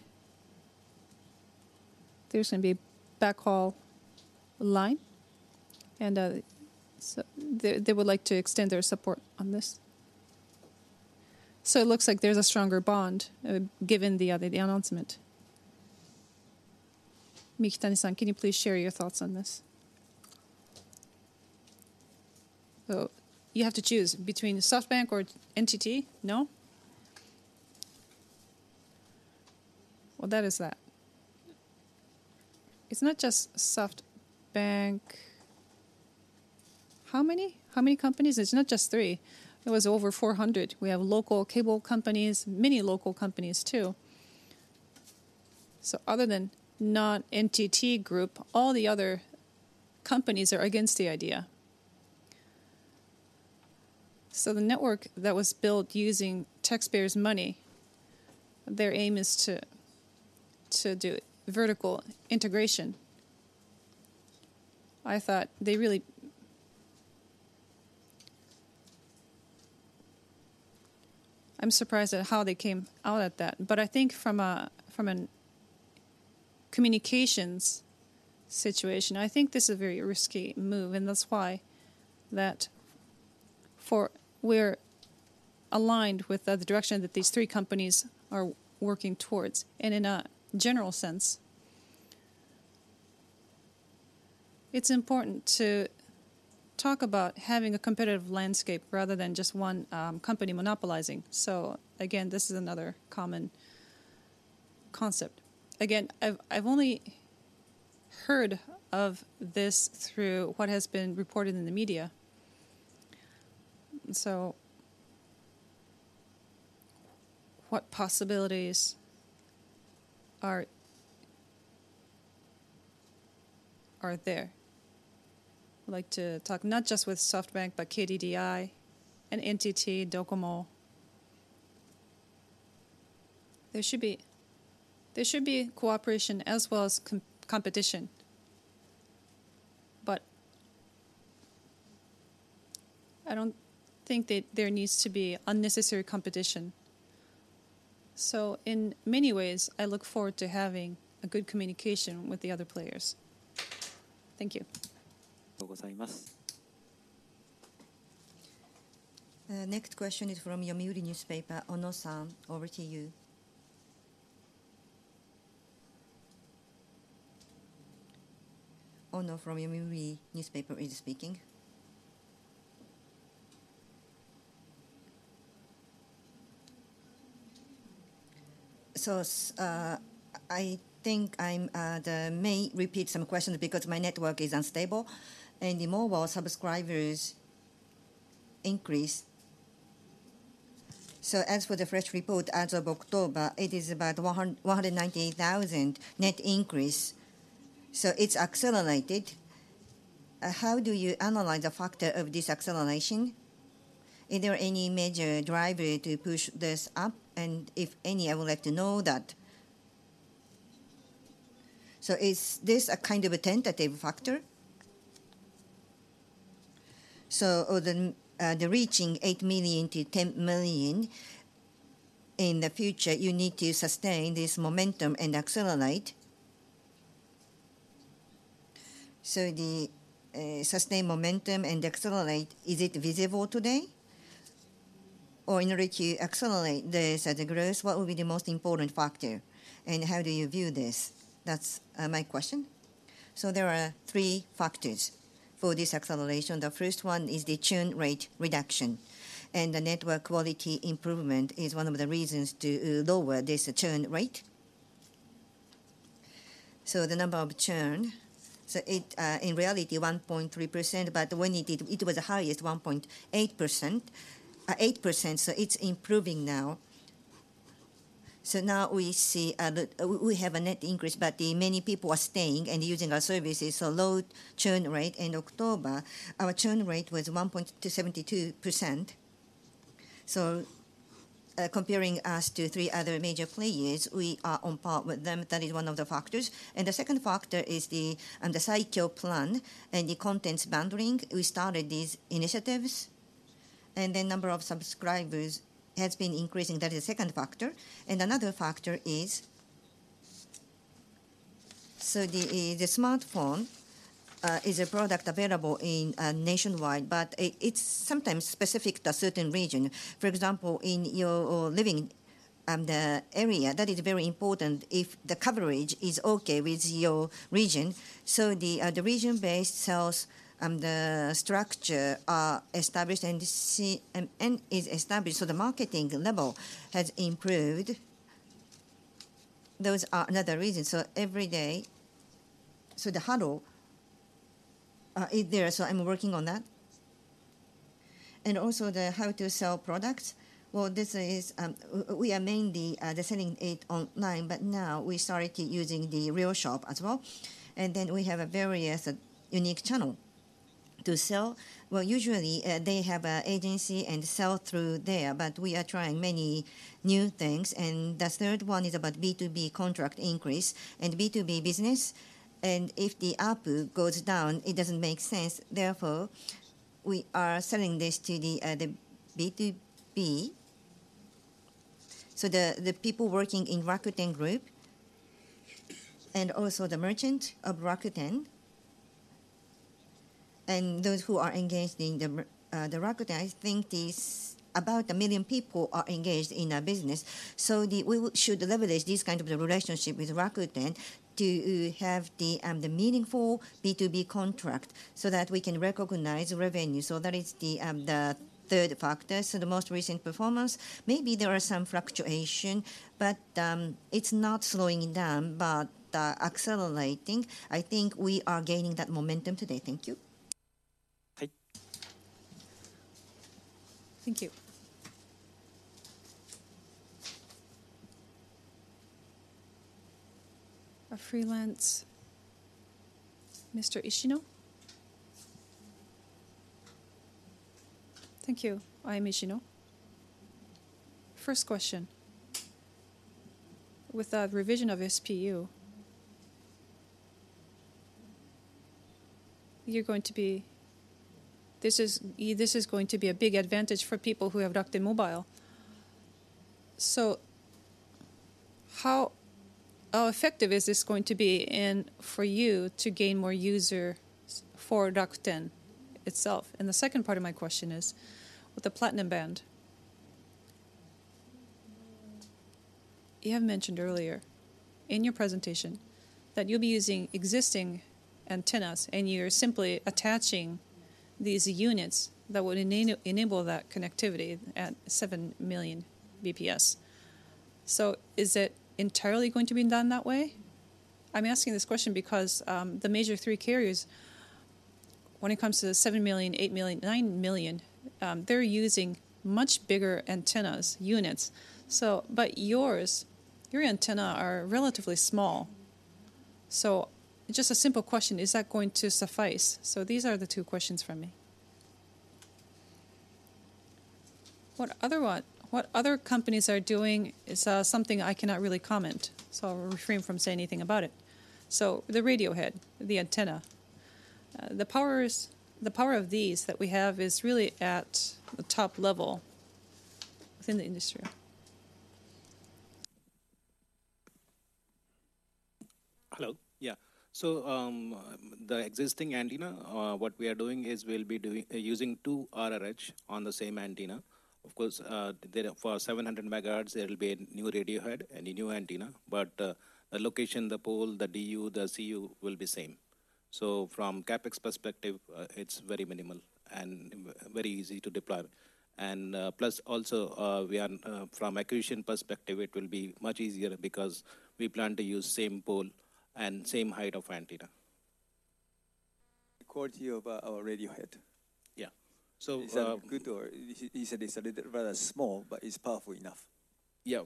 there's gonna be backhaul line, and so they would like to extend their support on this. So it looks like there's a stronger bond, given the other announcement. Mikitani-san, can you please share your thoughts on this? So you have to choose between SoftBank or NTT? No? Well, that is that. It's not just SoftBank... How many companies? It's not just three. It was over 400. We have local cable companies, many local companies, too. So other than not NTT Group, all the other companies are against the idea. So the network that was built using taxpayers' money, their aim is to do vertical integration. I thought they really... I'm surprised at how they came out at that. But I think from a communications situation, I think this is a very risky move, and that's why that for we're aligned with the direction that these three companies are working towards. And in a general sense, it's important to talk about having a competitive landscape rather than just one company monopolizing. So again, this is another common concept. Again, I've only heard of this through what has been reported in the media. So, what possibilities are there? I'd like to talk not just with SoftBank, but KDDI and NTT Docomo. There should be cooperation as well as competition, but I don't think that there needs to be unnecessary competition. So in many ways, I look forward to having a good communication with the other players. Thank you. The next question is from Yomiuri Newspaper. Ono-san, over to you. Ono from Yomiuri Newspaper is speaking. So, I think I may repeat some questions because my network is unstable, and the mobile subscribers increase. So as for the first report, as of October, it is about 198,000 net increase, so it's accelerated. How do you analyze the factor of this acceleration? Is there any major driver to push this up? And if any, I would like to know that. So is this a kind of a tentative factor? So, reaching 8 million-10 million, in the future, you need to sustain this momentum and accelerate... so the sustain momentum and accelerate, is it visible today? Or in order to accelerate this, the growth, what will be the most important factor, and how do you view this? That's my question. So there are three factors for this acceleration. The first one is the churn rate reduction, and the network quality improvement is one of the reasons to lower this churn rate. So the number of churn, so it, in reality, 1.3%, but when it did, it was the highest, 1.8%, 8%, so it's improving now. So now we see, the we, we have a net increase, but many people are staying and using our services, so low churn rate. In October, our churn rate was 1.72%. So, comparing us to three other major players, we are on par with them. That is one of the factors. And the second factor is the Saikyo plan and the contents bundling. We started these initiatives, and the number of subscribers has been increasing. That is the second factor. And another factor is... So the smartphone is a product available nationwide, but it's sometimes specific to certain region. For example, in your living area, that is very important if the coverage is okay with your region. So the region-based sales structure are established and... and is established, so the marketing level has improved. Those are another reason, so every day, so the hurdle is there, so I'm working on that. Also the how to sell products. Well, this is, we are mainly selling it online, but now we started using the real shop as well, and then we have a various unique channel to sell. Well, usually, they have a agency and sell through there, but we are trying many new things. The third one is about B2B contract increase and B2B business, and if the output goes down, it doesn't make sense. Therefore, we are selling this to the B2B, so the people working in Rakuten Group and also the merchant of Rakuten and those who are engaged in the Rakuten. I think is about 1 million people are engaged in our business. So we should leverage this kind of relationship with Rakuten to have the meaningful B2B contract so that we can recognize revenue. So that is the third factor. So the most recent performance, maybe there are some fluctuation, but it's not slowing down, but accelerating. I think we are gaining that momentum today. Thank you. Hai. Thank you. A freelance, Mr. Ishino? Thank you. I am Ishino. First question: with the revision of SPU, you're going to be—this is, this is going to be a big advantage for people who have Rakuten Mobile. So how effective is this going to be and for you to gain more users for Rakuten itself? And the second part of my question is, with the platinum band, you have mentioned earlier in your presentation that you'll be using existing antennas, and you're simply attaching these units that would enable that connectivity at 7 million BPS. So is it entirely going to be done that way? I'm asking this question because the major three carriers, when it comes to the 7 million, 8 million, 9 million, they're using much bigger antennas, units. So but yours, your antenna are relatively small. So just a simple question, is that going to suffice? So these are the two questions from me. What other companies are doing is something I cannot really comment, so I'll refrain from saying anything about it. So the radio head, the antenna, the powers, the power of these that we have is really at the top level within the industry. Hello, yeah. So, the existing antenna, what we are doing is we'll be doing using two RRH on the same antenna. Of course, there, for 700 megahertz, there will be a new radio head and a new antenna, but, the location, the pole, the DU, the CU will be same. So from CapEx perspective, it's very minimal and very easy to deploy. And, plus, also, we are, from acquisition perspective, it will be much easier because we plan to use same pole and same height of antenna. The quality of our radio head? Yeah. So, Is that good, or is it? He said it's a little rather small, but it's powerful enough. Yeah.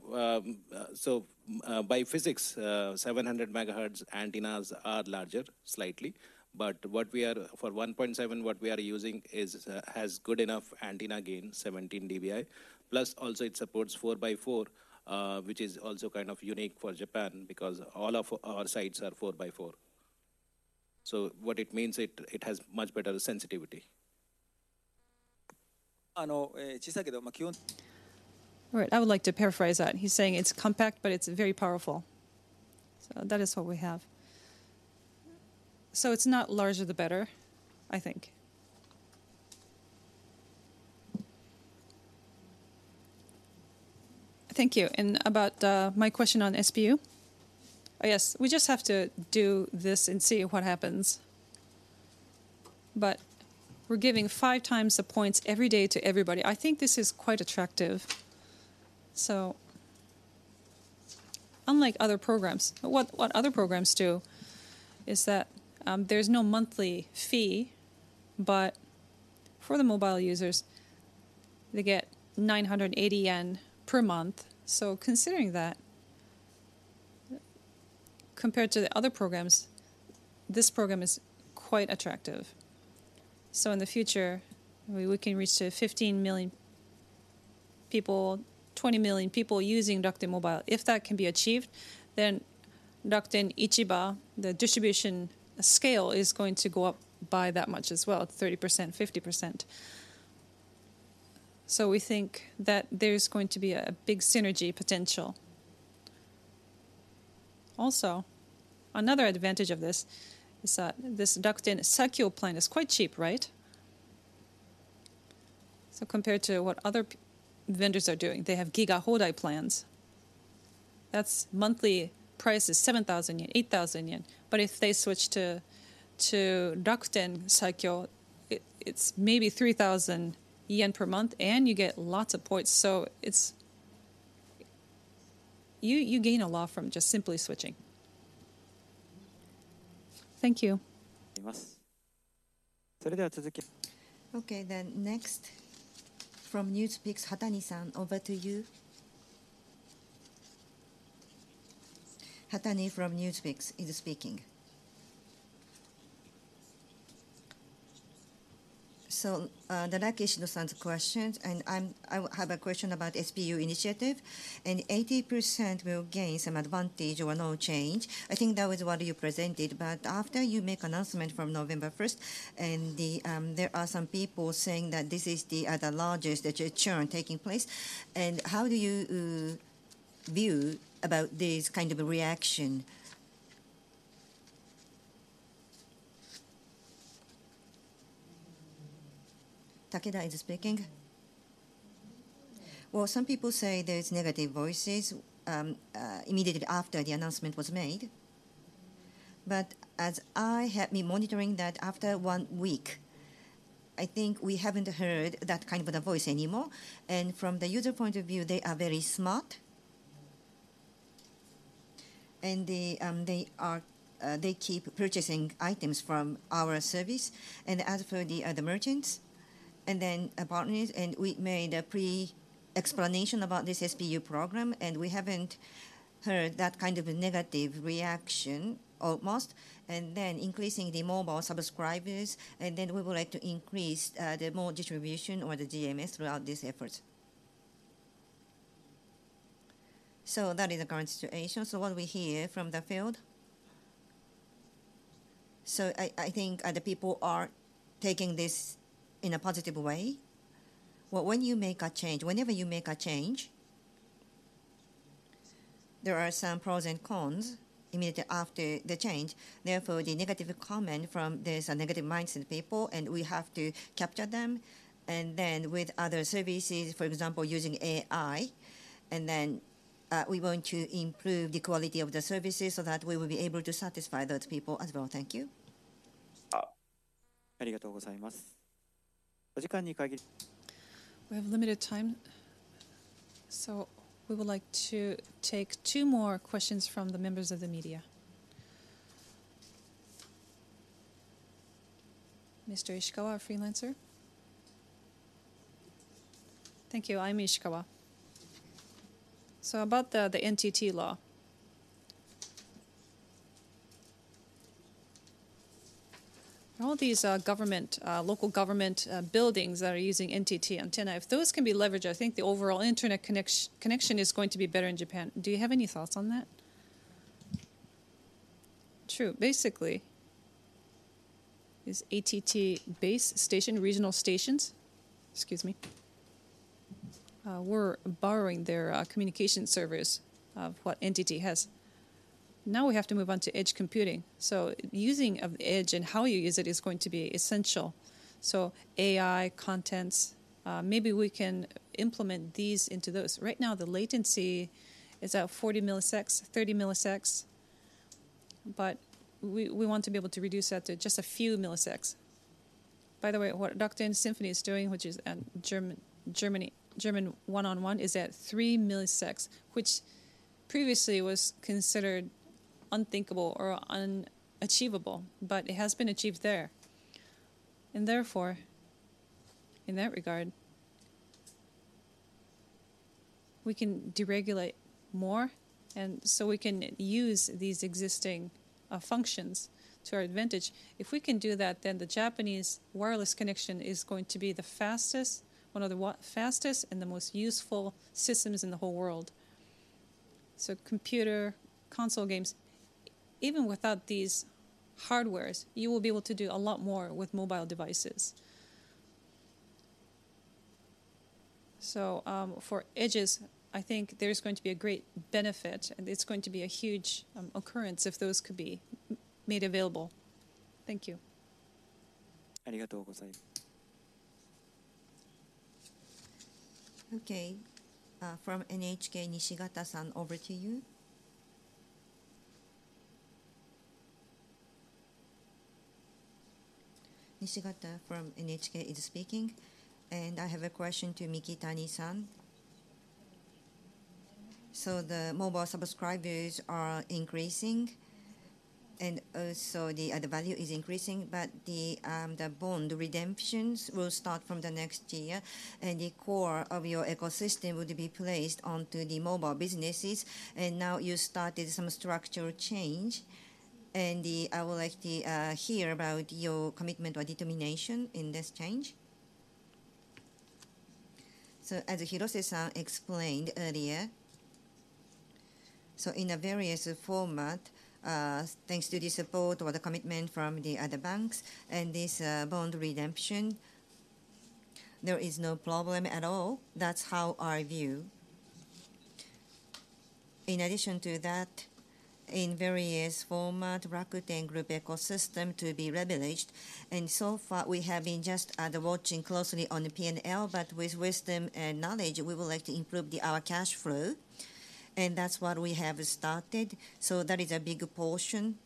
By physics, 700 MHz antennas are larger, slightly, but what we are—for 1.7, what we are using is has good enough antenna gain, 17 dBi. Plus, also it supports 4x4, which is also kind of unique for Japan because all of our sites are 4x4. So what it means, it has much better sensitivity.... All right, I would like to paraphrase that. He's saying it's compact, but it's very powerful. So that is what we have. So it's not larger the better, I think. Thank you. And about my question on SPU? I guess, we just have to do this and see what happens. But we're giving five times the points every day to everybody. I think this is quite attractive. So unlike other programs, what, what other programs do is that, there's no monthly fee, but for the mobile users, they get 980 yen per month. So considering that, compared to the other programs, this program is quite attractive. So in the future, we, we can reach to 15 million people, 20 million people using Rakuten Mobile. If that can be achieved, then Rakuten Ichiba, the distribution scale, is going to go up by that much as well, 30%, 50%. So we think that there's going to be a big synergy potential. Also, another advantage of this is this Rakuten Saikyo plan is quite cheap, right? So compared to what other providers are doing, they have Gigaho plans. That's monthly price is 7,000 yen, 8,000 yen. But if they switch to Rakuten Saikyo, it's maybe 3,000 yen per month, and you get lots of points. So it's... You gain a lot from just simply switching. Thank you. Okay, then next, from NewsPicks, Hatani-san, over to you. Hatani from NewsPicks is speaking. So, the like Ishino-san's questions, and I have a question about SPU initiative, and 80% will gain some advantage or no change. I think that was what you presented, but after you make announcement from November first, and the, there are some people saying that this is the, the largest that you churn taking place. And how do you view about this kind of a reaction? Takeda is speaking. Well, some people say there is negative voices immediately after the announcement was made. But as I have been monitoring that after one week, I think we haven't heard that kind of a voice anymore, and from the user point of view, they are very smart. And they keep purchasing items from our service. And as for the other merchants and then partners, and we made a pre-explanation about this SPU program, and we haven't heard that kind of a negative reaction almost. And then increasing the mobile subscribers, and then we would like to increase the more distribution or the GMS throughout this effort. So that is the current situation, so what we hear from the field. So I think the people are taking this in a positive way. Well, when you make a change, whenever you make a change, there are some pros and cons immediately after the change. Therefore, the negative comment from there is a negative mindset people, and we have to capture them. And then with other services, for example, using AI, and then, we're going to improve the quality of the services so that we will be able to satisfy those people as well. Thank you. We have limited time, so we would like to take two more questions from the members of the media. Mr. Ishikawa, our freelancer. Thank you. I'm Ishikawa. So about the NTT law. All these government local government buildings that are using NTT antenna, if those can be leveraged, I think the overall internet connection is going to be better in Japan. Do you have any thoughts on that? True. Basically, is AT&T base station, regional stations... Excuse me, we're borrowing their communication service of what NTT has. Now we have to move on to edge computing. So using of edge and how you use it is going to be essential. So AI, contents, maybe we can implement these into those. Right now, the latency is at 40 milliseconds, 30 milliseconds, but we want to be able to reduce that to just a few milliseconds. By the way, what Rakuten Symphony is doing, which is German 1&1, is at 3 milliseconds, which previously was considered unthinkable or unachievable, but it has been achieved there. And therefore, in that regard, we can deregulate more, and so we can use these existing functions to our advantage. If we can do that, then the Japanese wireless connection is going to be the fastest, one of the fastest and the most useful systems in the whole world. So computer, console games, even without these hardwares, you will be able to do a lot more with mobile devices. So, for edges, I think there's going to be a great benefit, and it's going to be a huge occurrence if those could be made available. Thank you. Okay, from NHK, Nishigata-san, over to you. Nishigata from NHK is speaking, and I have a question to Mikitani-san. So the mobile subscribers are increasing, and also the value is increasing, but the bond redemptions will start from the next year, and the core of your ecosystem would be placed onto the mobile businesses, and now you started some structural change. And I would like to hear about your commitment or determination in this change. So as Hirose-san explained earlier, so in a various format, thanks to the support or the commitment from the other banks and this bond redemption, there is no problem at all. That's how I view. In addition to that, in various format, Rakuten Group ecosystem to be leveraged, and so far we have been just watching closely on the P&L, but with wisdom and knowledge, we would like to improve our cash flow, and that's what we have started. So that is a big portion.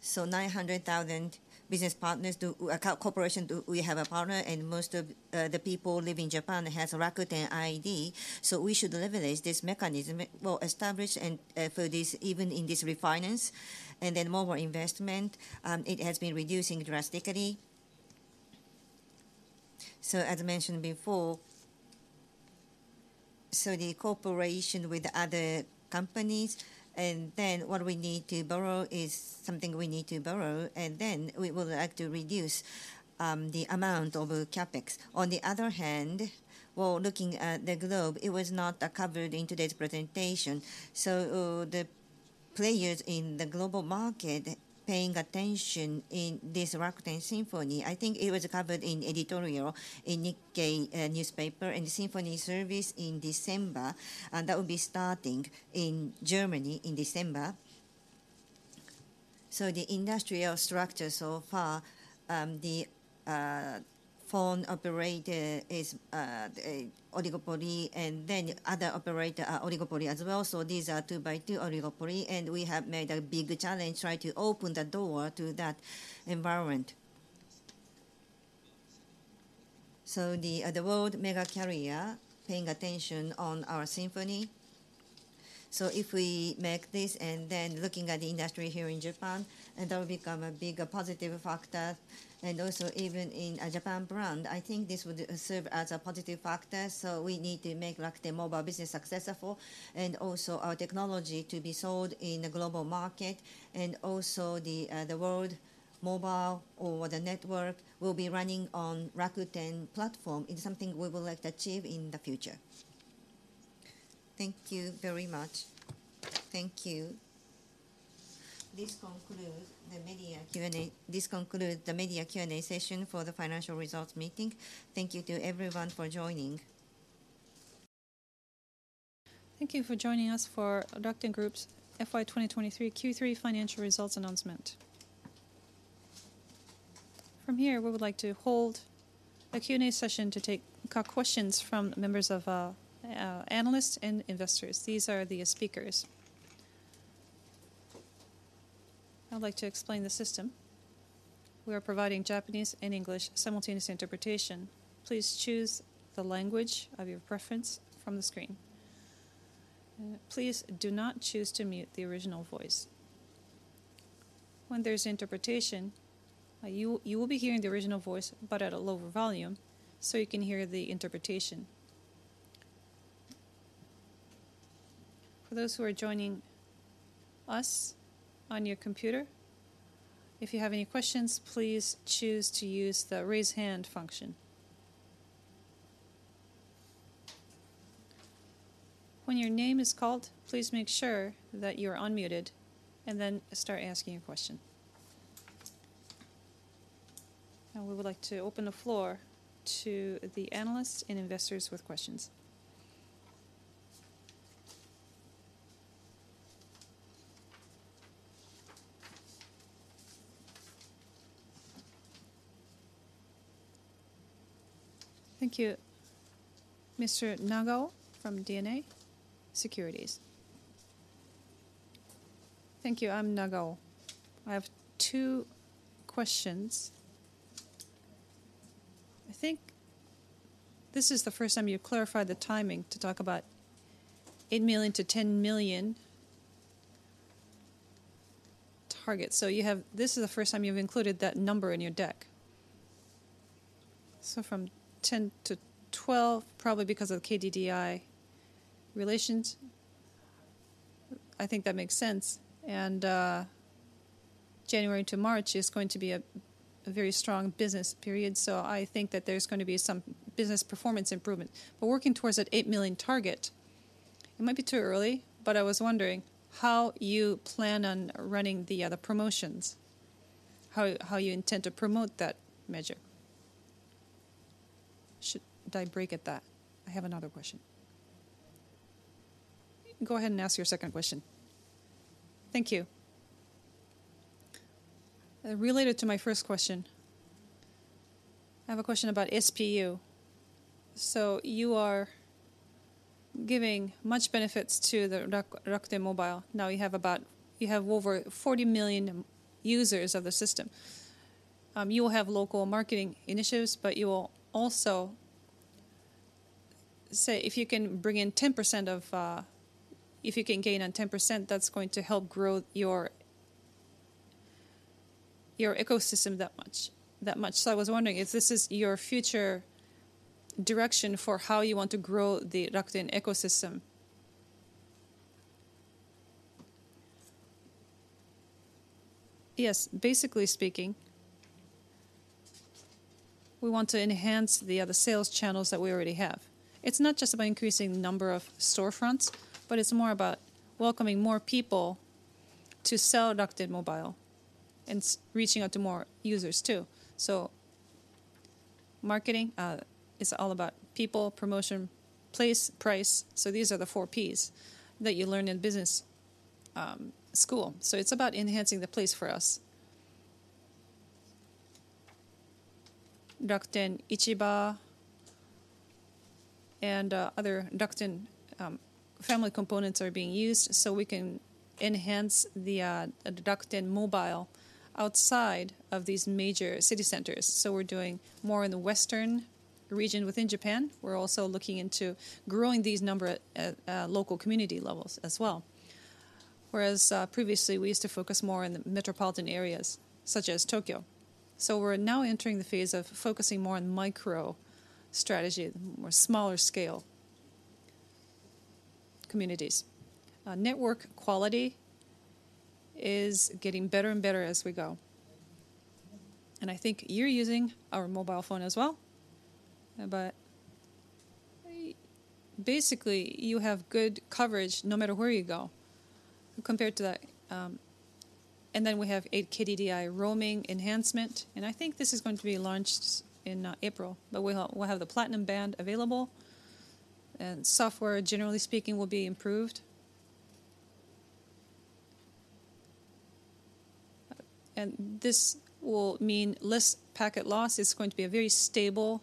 So 900,000 business partners, co-corporation, we have a partner, and most of the people live in Japan has a Rakuten ID, so we should leverage this mechanism. We'll establish and for this, even in this refinance, and then mobile investment, it has been reducing drastically. So as mentioned before, so the cooperation with other companies, and then what we need to borrow is something we need to borrow, and then we would like to reduce the amount of CapEx. On the other hand, well, looking at the globe, it was not covered in today's presentation. So, the players in the global market paying attention in this Rakuten Symphony, I think it was covered in editorial in Nikkei Newspaper and the Symphony service in December, and that will be starting in Germany in December. So the industrial structure so far, the phone operator is a oligopoly, and then other operator are oligopoly as well. So these are two-by-two oligopoly, and we have made a big challenge, try to open the door to that environment. So the world mega carrier paying attention on our Symphony. So if we make this, and then looking at the industry here in Japan, and that will become a big positive factor. And also, even in a Japan brand, I think this would serve as a positive factor, so we need to make Rakuten Mobile business successful, and also our technology to be sold in the global market. And also, the, the world mobile or the network will be running on Rakuten platform, is something we would like to achieve in the future. Thank you very much. Thank you. This concludes the media Q&A. This concludes the media Q&A session for the financial results meeting. Thank you to everyone for joining. Thank you for joining us for Rakuten Group's FY 2023 Q3 financial results announcement. From here, we would like to hold a Q&A session to take questions from members of analysts and investors. These are the speakers. I'd like to explain the system. We are providing Japanese and English simultaneous interpretation. Please choose the language of your preference from the screen. Please do not choose to mute the original voice. When there's interpretation, you will be hearing the original voice, but at a lower volume, so you can hear the interpretation. For those who are joining us on your computer, if you have any questions, please choose to use the Raise Hand function. When your name is called, please make sure that you're unmuted, and then start asking your question. Now, we would like to open the floor to the analysts and investors with questions. Thank you. Mr. Nagao from Daiwa Securities. Thank you. I'm Nagao. I have two questions. I think this is the first time you've clarified the timing to talk about 8 million-10 million target. So you have-- This is the first time you've included that number in your deck. So from 10-12, probably because of KDDI relations?... I think that makes sense. And, January to March is going to be a, a very strong business period, so I think that there's going to be some business performance improvement. But working towards that 8 million target, it might be too early, but I was wondering how you plan on running the other promotions? How, how you intend to promote that measure? Should I break at that? I have another question. Go ahead and ask your second question. Thank you. Related to my first question, I have a question about SPU. So you are giving much benefits to the Rakuten Mobile. Now you have over 40 million users of the system. You will have local marketing initiatives, but you will also... Say, if you can bring in 10% of, if you can gain on 10%, that's going to help grow your, your ecosystem that much, that much. So I was wondering if this is your future direction for how you want to grow the Rakuten ecosystem? Yes. Basically speaking, we want to enhance the other sales channels that we already have. It's not just about increasing the number of storefronts, but it's more about welcoming more people to sell Rakuten Mobile and reaching out to more users, too. So marketing is all about people, promotion, place, price, so these are the four Ps that you learn in business school. So it's about enhancing the place for us. Rakuten Ichiba and other Rakuten family components are being used so we can enhance the Rakuten Mobile outside of these major city centers. So we're doing more in the western region within Japan. We're also looking into growing these number at local community levels as well, whereas previously we used to focus more on the metropolitan areas, such as Tokyo. So we're now entering the phase of focusing more on micro strategy or smaller scale communities. Network quality is getting better and better as we go, and I think you're using our mobile phone as well. But basically, you have good coverage no matter where you go compared to the... And then we have a KDDI roaming enhancement, and I think this is going to be launched in April. But we'll have the Platinum Band available, and software, generally speaking, will be improved. And this will mean less packet loss. It's going to be a very stable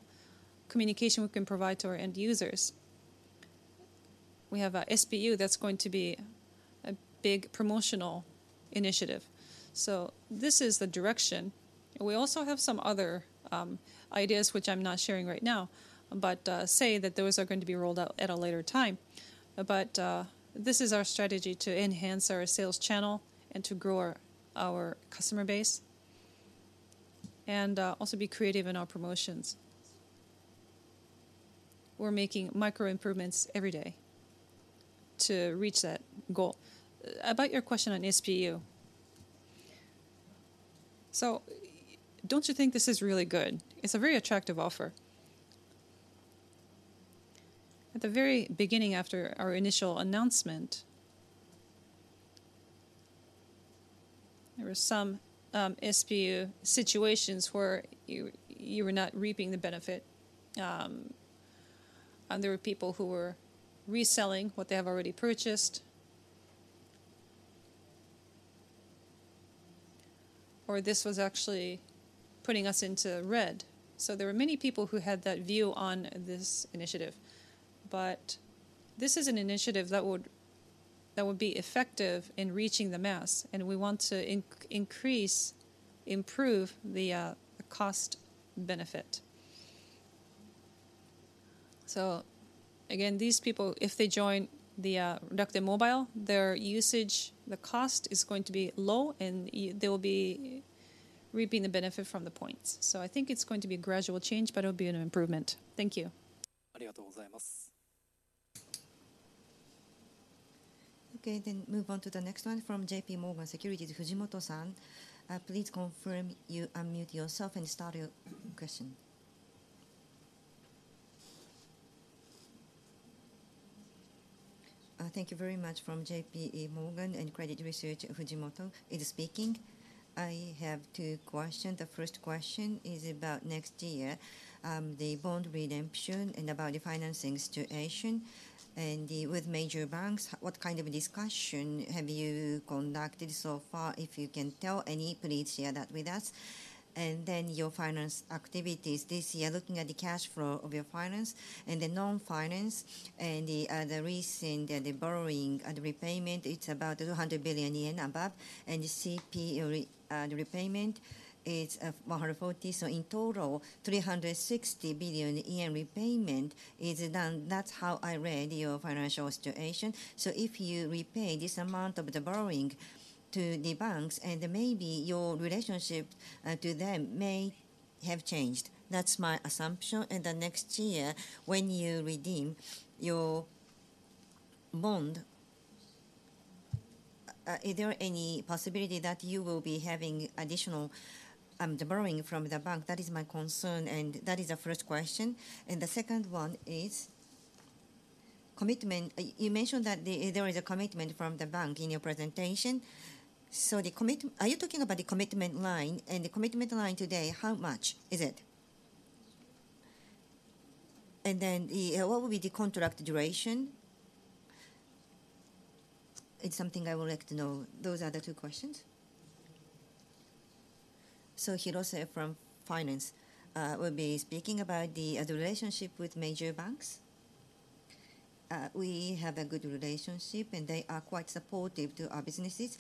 communication we can provide to our end users. We have SPU, that's going to be a big promotional initiative. So this is the direction. We also have some other ideas, which I'm not sharing right now, but say that those are going to be rolled out at a later time. But this is our strategy to enhance our sales channel and to grow our customer base and also be creative in our promotions. We're making micro improvements every day to reach that goal. About your question on SPU. So don't you think this is really good? It's a very attractive offer. At the very beginning, after our initial announcement, there were some SPU situations where you were not reaping the benefit. And there were people who were reselling what they have already purchased. Or this was actually putting us into red. So there were many people who had that view on this initiative. But this is an initiative that would, that would be effective in reaching the mass, and we want to increase, improve the cost benefit. So again, these people, if they join Rakuten Mobile, their usage, the cost is going to be low, and they will be reaping the benefit from the points. So I think it's going to be a gradual change, but it'll be an improvement. Thank you. Okay, then move on to the next one from J.P. Morgan Securities, Fujimoto-san. Please confirm you unmute yourself and start your question. Thank you very much. From J.P. Morgan and Credit Research, Fujimoto is speaking. I have two questions. The first question is about next year, the bond redemption and about the financing situation and the with major banks, what kind of discussion have you conducted so far? If you can tell any, please share that with us. And then your finance activities this year, looking at the cash flow of your finance and the non-finance and the, the recent, the borrowing and repayment, it's about 200 billion yen above, and CP repayment is 140 billion. So in total, 360 billion yen repayment is done. That's how I read your financial situation. So if you repay this amount of the borrowing to the banks, and maybe your relationship to them may have changed. That's my assumption, and the next year, when you redeem your bond, is there any possibility that you will be having additional borrowing from the bank? That is my concern, and that is the first question. And the second one is commitment. You mentioned that there is a commitment from the bank in your presentation. So the commitment. Are you talking about the commitment line? And the commitment line today, how much is it? And then, what will be the contract duration? It's something I would like to know. Those are the two questions. So Hirose from Finance will be speaking about the relationship with major banks. We have a good relationship, and they are quite supportive to our businesses.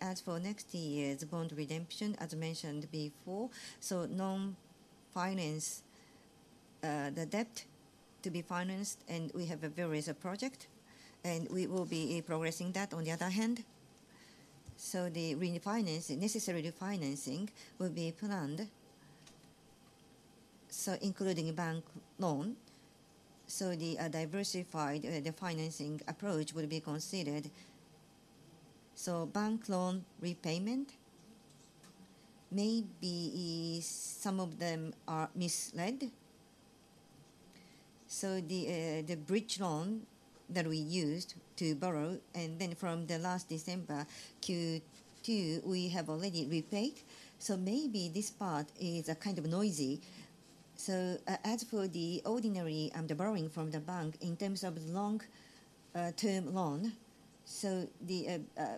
As for next year's bond redemption, as mentioned before, the non-finance debt to be financed, and we have a various project, and we will be progressing that. On the other hand, the refinancing, necessary refinancing will be planned, including a bank loan, the diversified financing approach will be considered. Bank loan repayment, maybe some of them are misled. The bridge loan that we used to borrow, and then from the last December, Q2, we have already repaid. Maybe this part is kind of noisy. As for the ordinary, the borrowing from the bank, in terms of long term loan,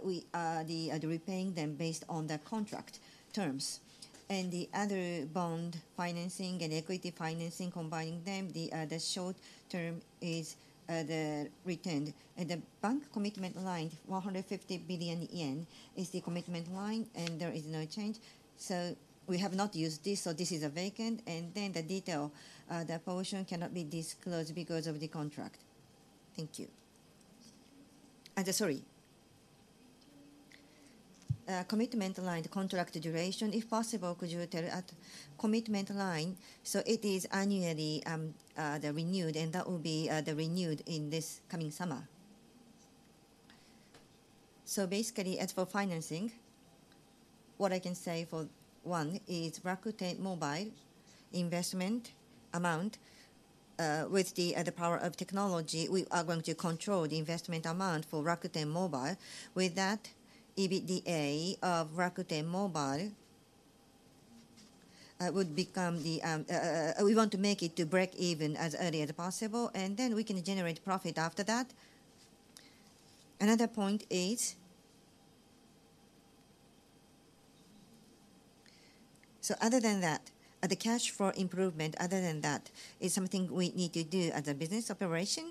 we are repaying them based on the contract terms. The other bond financing and equity financing, combining them, the short term is the retained. The bank Commitment Line, 150 billion yen, is the Commitment Line, and there is no change. So we have not used this, so this is vacant. The detail, the portion cannot be disclosed because of the contract. Thank you. Commitment Line, the contract duration, if possible, could you tell at Commitment Line? It is annually renewed, and that will be renewed in this coming summer. Basically, as for financing, what I can say for one is Rakuten Mobile investment amount, with the power of technology, we are going to control the investment amount for Rakuten Mobile. With that, EBITDA of Rakuten Mobile would become. We want to make it to break even as early as possible, and then we can generate profit after that. Another point is... So other than that, the cash flow improvement, other than that, is something we need to do as a business operation.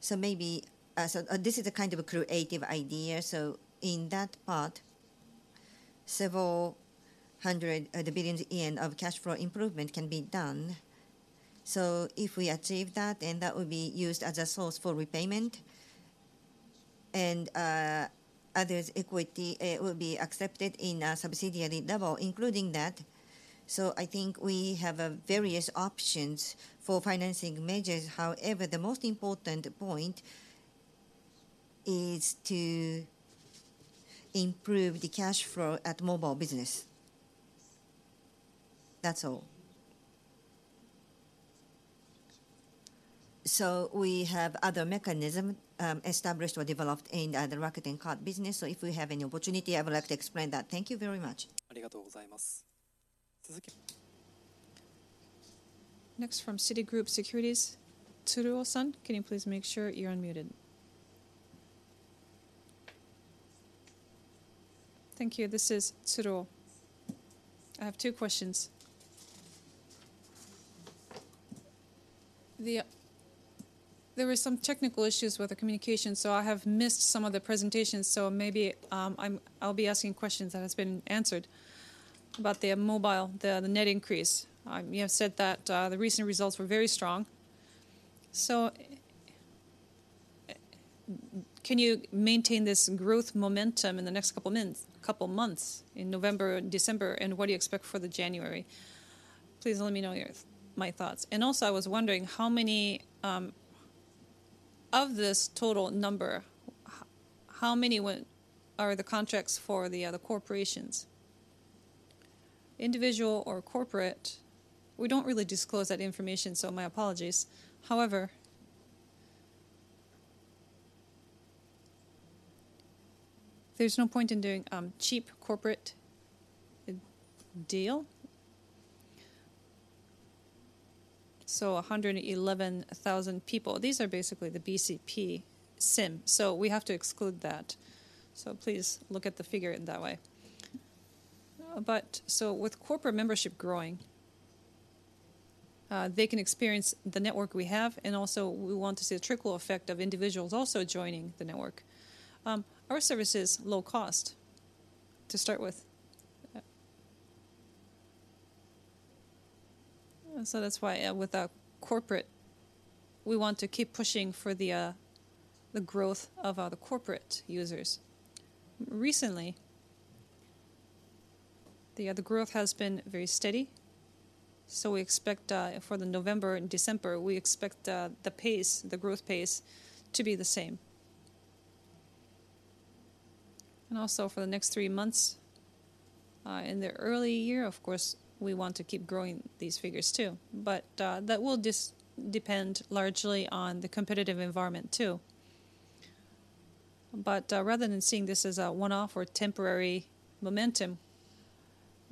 So maybe, so, this is a kind of a creative idea. So in that part, several hundred billion JPY of cash flow improvement can be done. So if we achieve that, then that will be used as a source for repayment, and other equity will be accepted in a subsidiary level, including that. So I think we have various options for financing measures. However, the most important point is to improve the cash flow at mobile business. That's all. So we have other mechanism, established or developed in the Rakuten Card business, so if we have any opportunity, I would like to explain that. Thank you very much. Next, from Citigroup Securities, Tsuruo-san, can you please make sure you're unmuted? Thank you. This is Tsuruo. I have two questions. The... There were some technical issues with the communication, so I have missed some of the presentation, so maybe, I'm, I'll be asking questions that has been answered. About the mobile, the, the net increase, you have said that, the recent results were very strong. So, can you maintain this growth momentum in the next couple mins, couple months, in November and December, and what do you expect for the January? Please let me know your, my thoughts. And also, I was wondering how many, of this total number, how many went, are the contracts for the, the corporations? Individual or corporate, we don't really disclose that information, so my apologies. However, there's no point in doing cheap corporate deal. So 111,000 people, these are basically the BCP SIM, so we have to exclude that. So please look at the figure in that way. But, so with corporate membership growing, they can experience the network we have, and also we want to see a trickle effect of individuals also joining the network. Our service is low cost, to start with.... So that's why, with our corporate, we want to keep pushing for the growth of our corporate users. Recently, the growth has been very steady, so we expect for November and December, we expect the pace, the growth pace to be the same. And also for the next three months, in the early year, of course, we want to keep growing these figures, too. But that will just depend largely on the competitive environment, too. But rather than seeing this as a one-off or temporary momentum,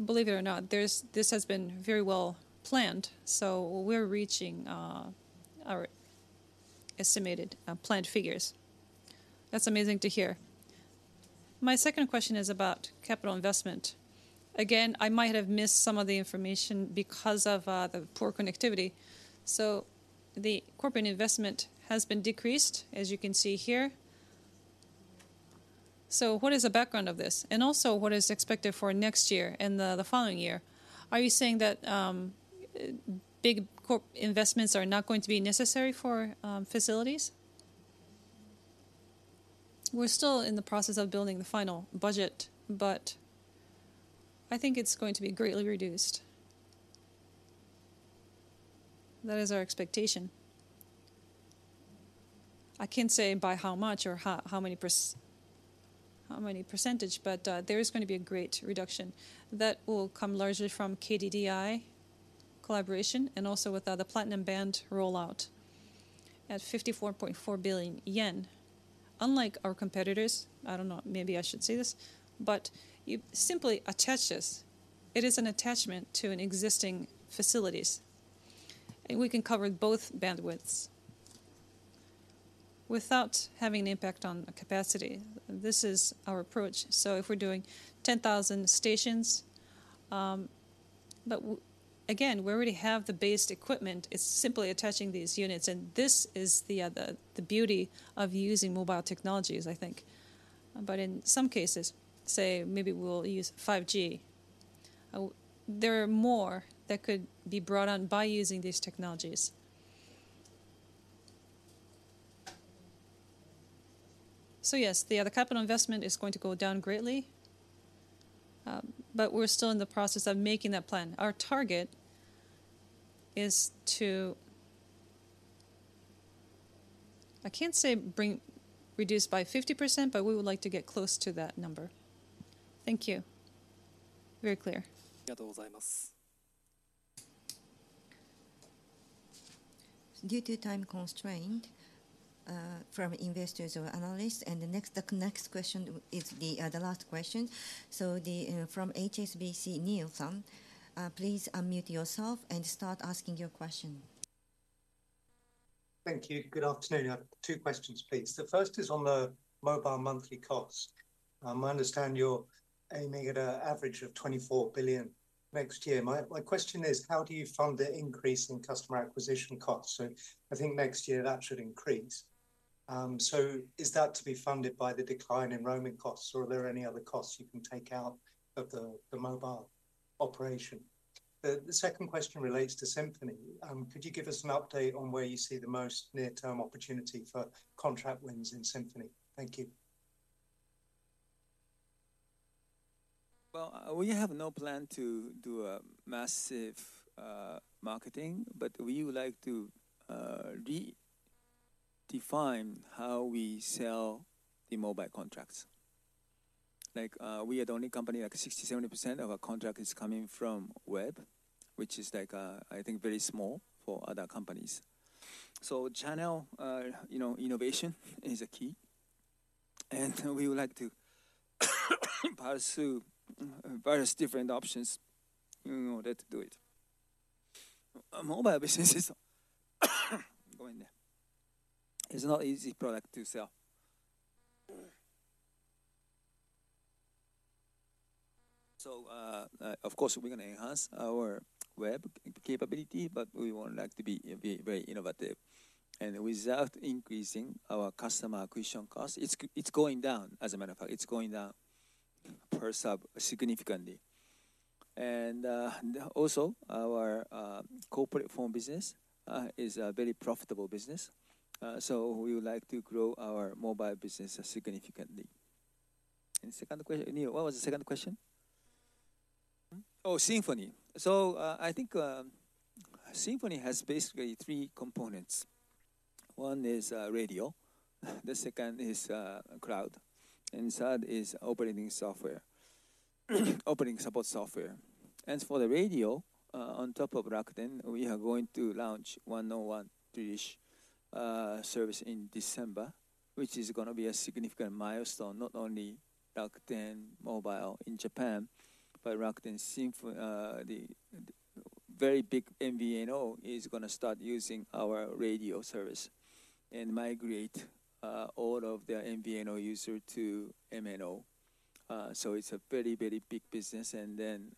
believe it or not, there's this has been very well planned, so we're reaching our estimated planned figures. That's amazing to hear. My second question is about capital investment. Again, I might have missed some of the information because of the poor connectivity. The corporate investment has been decreased, as you can see here. What is the background of this, and also, what is expected for next year and the following year? Are you saying that big corp investments are not going to be necessary for facilities? We're still in the process of building the final budget, but I think it's going to be greatly reduced. That is our expectation. I can't say by how much or how many percentage, but there is going to be a great reduction that will come largely from KDDI collaboration and also with the Platinum Band rollout at 54.4 billion yen. Unlike our competitors, I don't know, maybe I should say this, but you simply attach this. It is an attachment to an existing facilities, and we can cover both bandwidths without having an impact on the capacity. This is our approach. So if we're doing 10,000 stations... But again, we already have the base equipment. It's simply attaching these units, and this is the beauty of using mobile technologies, I think. But in some cases, say, maybe we'll use 5G, there are more that could be brought on by using these technologies. So yes, the capital investment is going to go down greatly, but we're still in the process of making that plan. Our target is to... I can't say reduce by 50%, but we would like to get close to that number. Thank you. Very clear. Due to time constraint, from investors or analysts, and the next, the next question is the last question. So, the from HSBC, Neale-san, please unmute yourself and start asking your question. Thank you. Good afternoon. I have two questions, please. The first is on the mobile monthly cost. I understand you're aiming at a average of 24 billion next year. My, my question is: how do you fund the increase in customer acquisition costs? So I think next year that should increase. So is that to be funded by the decline in roaming costs, or are there any other costs you can take out of the, the mobile operation? The, the second question relates to Symphony. Could you give us an update on where you see the most near-term opportunity for contract wins in Symphony? Thank you. Well, we have no plan to do a massive marketing, but we would like to re-define how we sell the mobile contracts. Like, we are the only company, like 60%-70% of our contract is coming from web, which is like, I think very small for other companies. So channel, you know, innovation is a key, and we would like to pursue various different options in order to do it. Mobile businesses, going there, is not easy product to sell. So, of course, we're gonna enhance our web capability, but we would like to be very innovative. And without increasing our customer acquisition cost, it's going down, as a matter of fact. It's going down per sub significantly. And, also, our corporate phone business is a very profitable business. So we would like to grow our mobile business significantly. Second question, Neal, what was the second question? Oh, Symphony. So, I think, Symphony has basically three components. One is radio, the second is cloud, and third is operating software, operating support software. As for the radio, on top of Rakuten, we are going to launch 1&1 Drillisch service in December, which is gonna be a significant milestone, not only Rakuten Mobile in Japan, but Rakuten Symphony—the very big MVNO is gonna start using our radio service and migrate all of their MVNO user to MNO. So it's a very, very big business, and then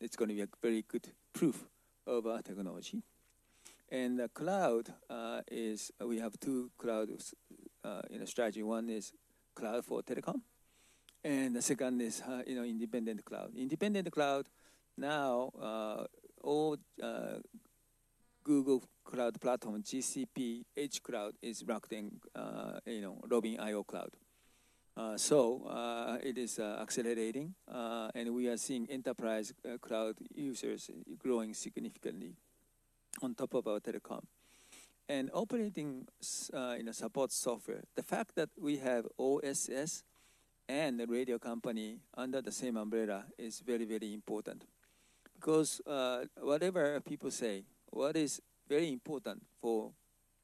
it's gonna be a very good proof of our technology... and the cloud is, we have two clouds in the strategy. One is cloud for telecom, and the second is, you know, independent cloud. Independent cloud now, all, Google Cloud Platform, GCP, Edge Cloud is rocking, you know, Robin.io cloud. So, it is accelerating, and we are seeing enterprise cloud users growing significantly on top of our telecom. And operating support software, the fact that we have OSS and the radio company under the same umbrella is very, very important. 'Cause, whatever people say, what is very important for,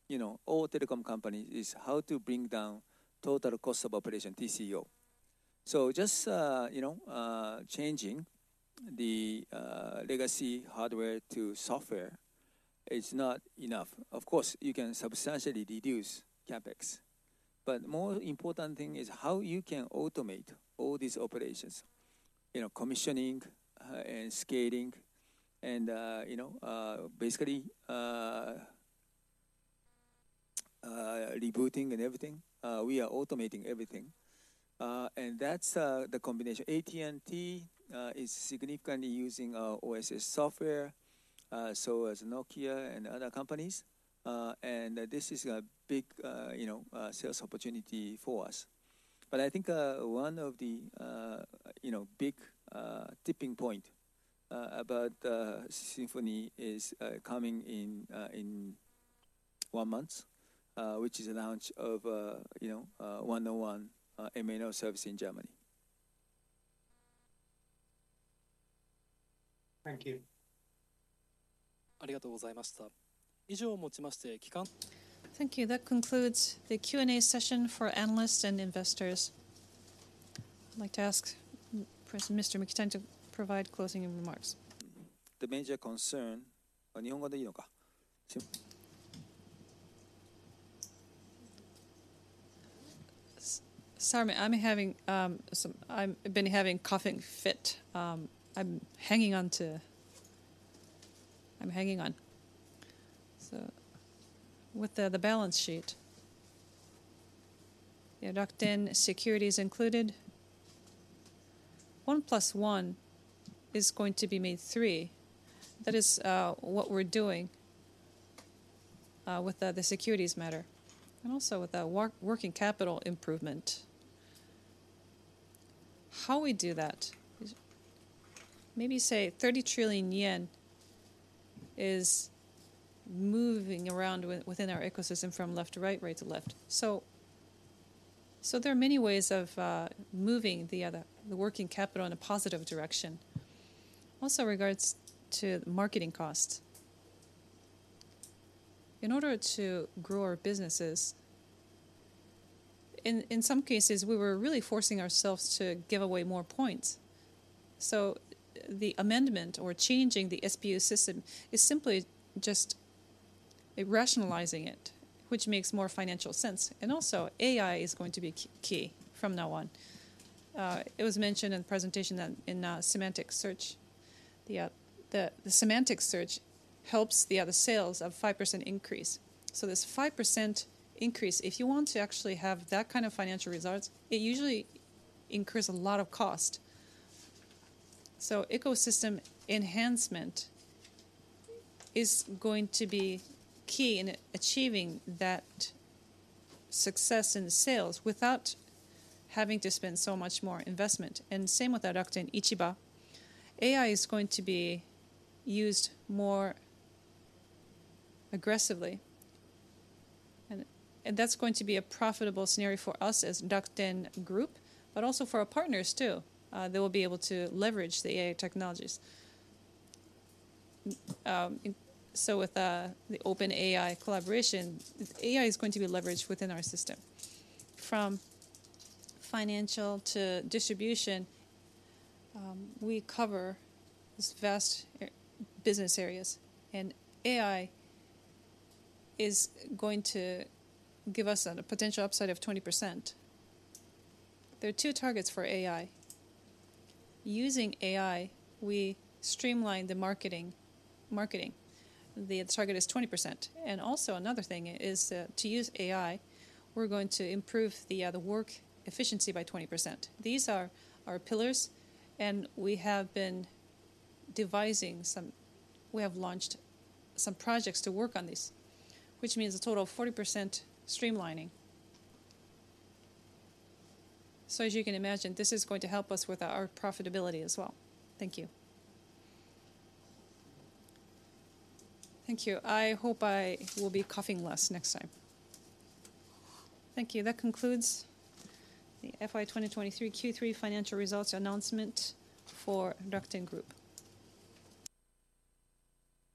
you know, all telecom companies is how to bring down total cost of operation, TCO. So just, you know, changing the legacy hardware to software is not enough. Of course, you can substantially reduce CapEx, but more important thing is how you can automate all these operations, you know, commissioning, and scaling, and, you know, basically, rebooting and everything. We are automating everything, and that's the combination. AT&T is significantly using our OSS software, so as Nokia and other companies, and this is a big, you know, sales opportunity for us. But I think, one of the, you know, big, tipping point about Symphony is coming in one month, which is the launch of, you know, 1&1, MNO service in Germany. Thank you. Thank you. That concludes the Q&A session for analysts and investors. I'd like to ask President Mr. Mikitani to provide closing remarks. Mm-hmm. The major concern- Sorry, I'm having some... I've been having coughing fit. I'm hanging on. So with the balance sheet, the Rakuten Securities included, one plus one is going to be made three. That is what we're doing with the securities matter and also with the working capital improvement. How we do that is maybe say 30 trillion JPY is moving around within our ecosystem from left to right, right to left. So there are many ways of moving the working capital in a positive direction. Also in regards to the marketing costs, in order to grow our businesses, in some cases, we were really forcing ourselves to give away more points. So the amendment or changing the SPU system is simply just rationalizing it, which makes more financial sense. And also, AI is going to be key from now on. It was mentioned in the presentation that the semantic search helps the other sales of 5% increase. So this 5% increase, if you want to actually have that kind of financial results, it usually increase a lot of cost. So ecosystem enhancement is going to be key in achieving that success in sales without having to spend so much more investment. And same with the Rakuten Ichiba. AI is going to be used more aggressively, and that's going to be a profitable scenario for us as Rakuten Group, but also for our partners, too. They will be able to leverage the AI technologies. So with the OpenAI collaboration, AI is going to be leveraged within our system. From financial to distribution, we cover this vast business areas, and AI is going to give us a potential upside of 20%. There are two targets for AI. Using AI, we streamline the marketing, marketing. The target is 20%. And also another thing is, to use AI, we're going to improve the, the work efficiency by 20%. These are our pillars, and we have been devising some. We have launched some projects to work on this, which means a total of 40% streamlining. So as you can imagine, this is going to help us with our profitability as well. Thank you. Thank you. I hope I will be coughing less next time. Thank you. That concludes the FY 2023 Q3 financial results announcement for Rakuten Group.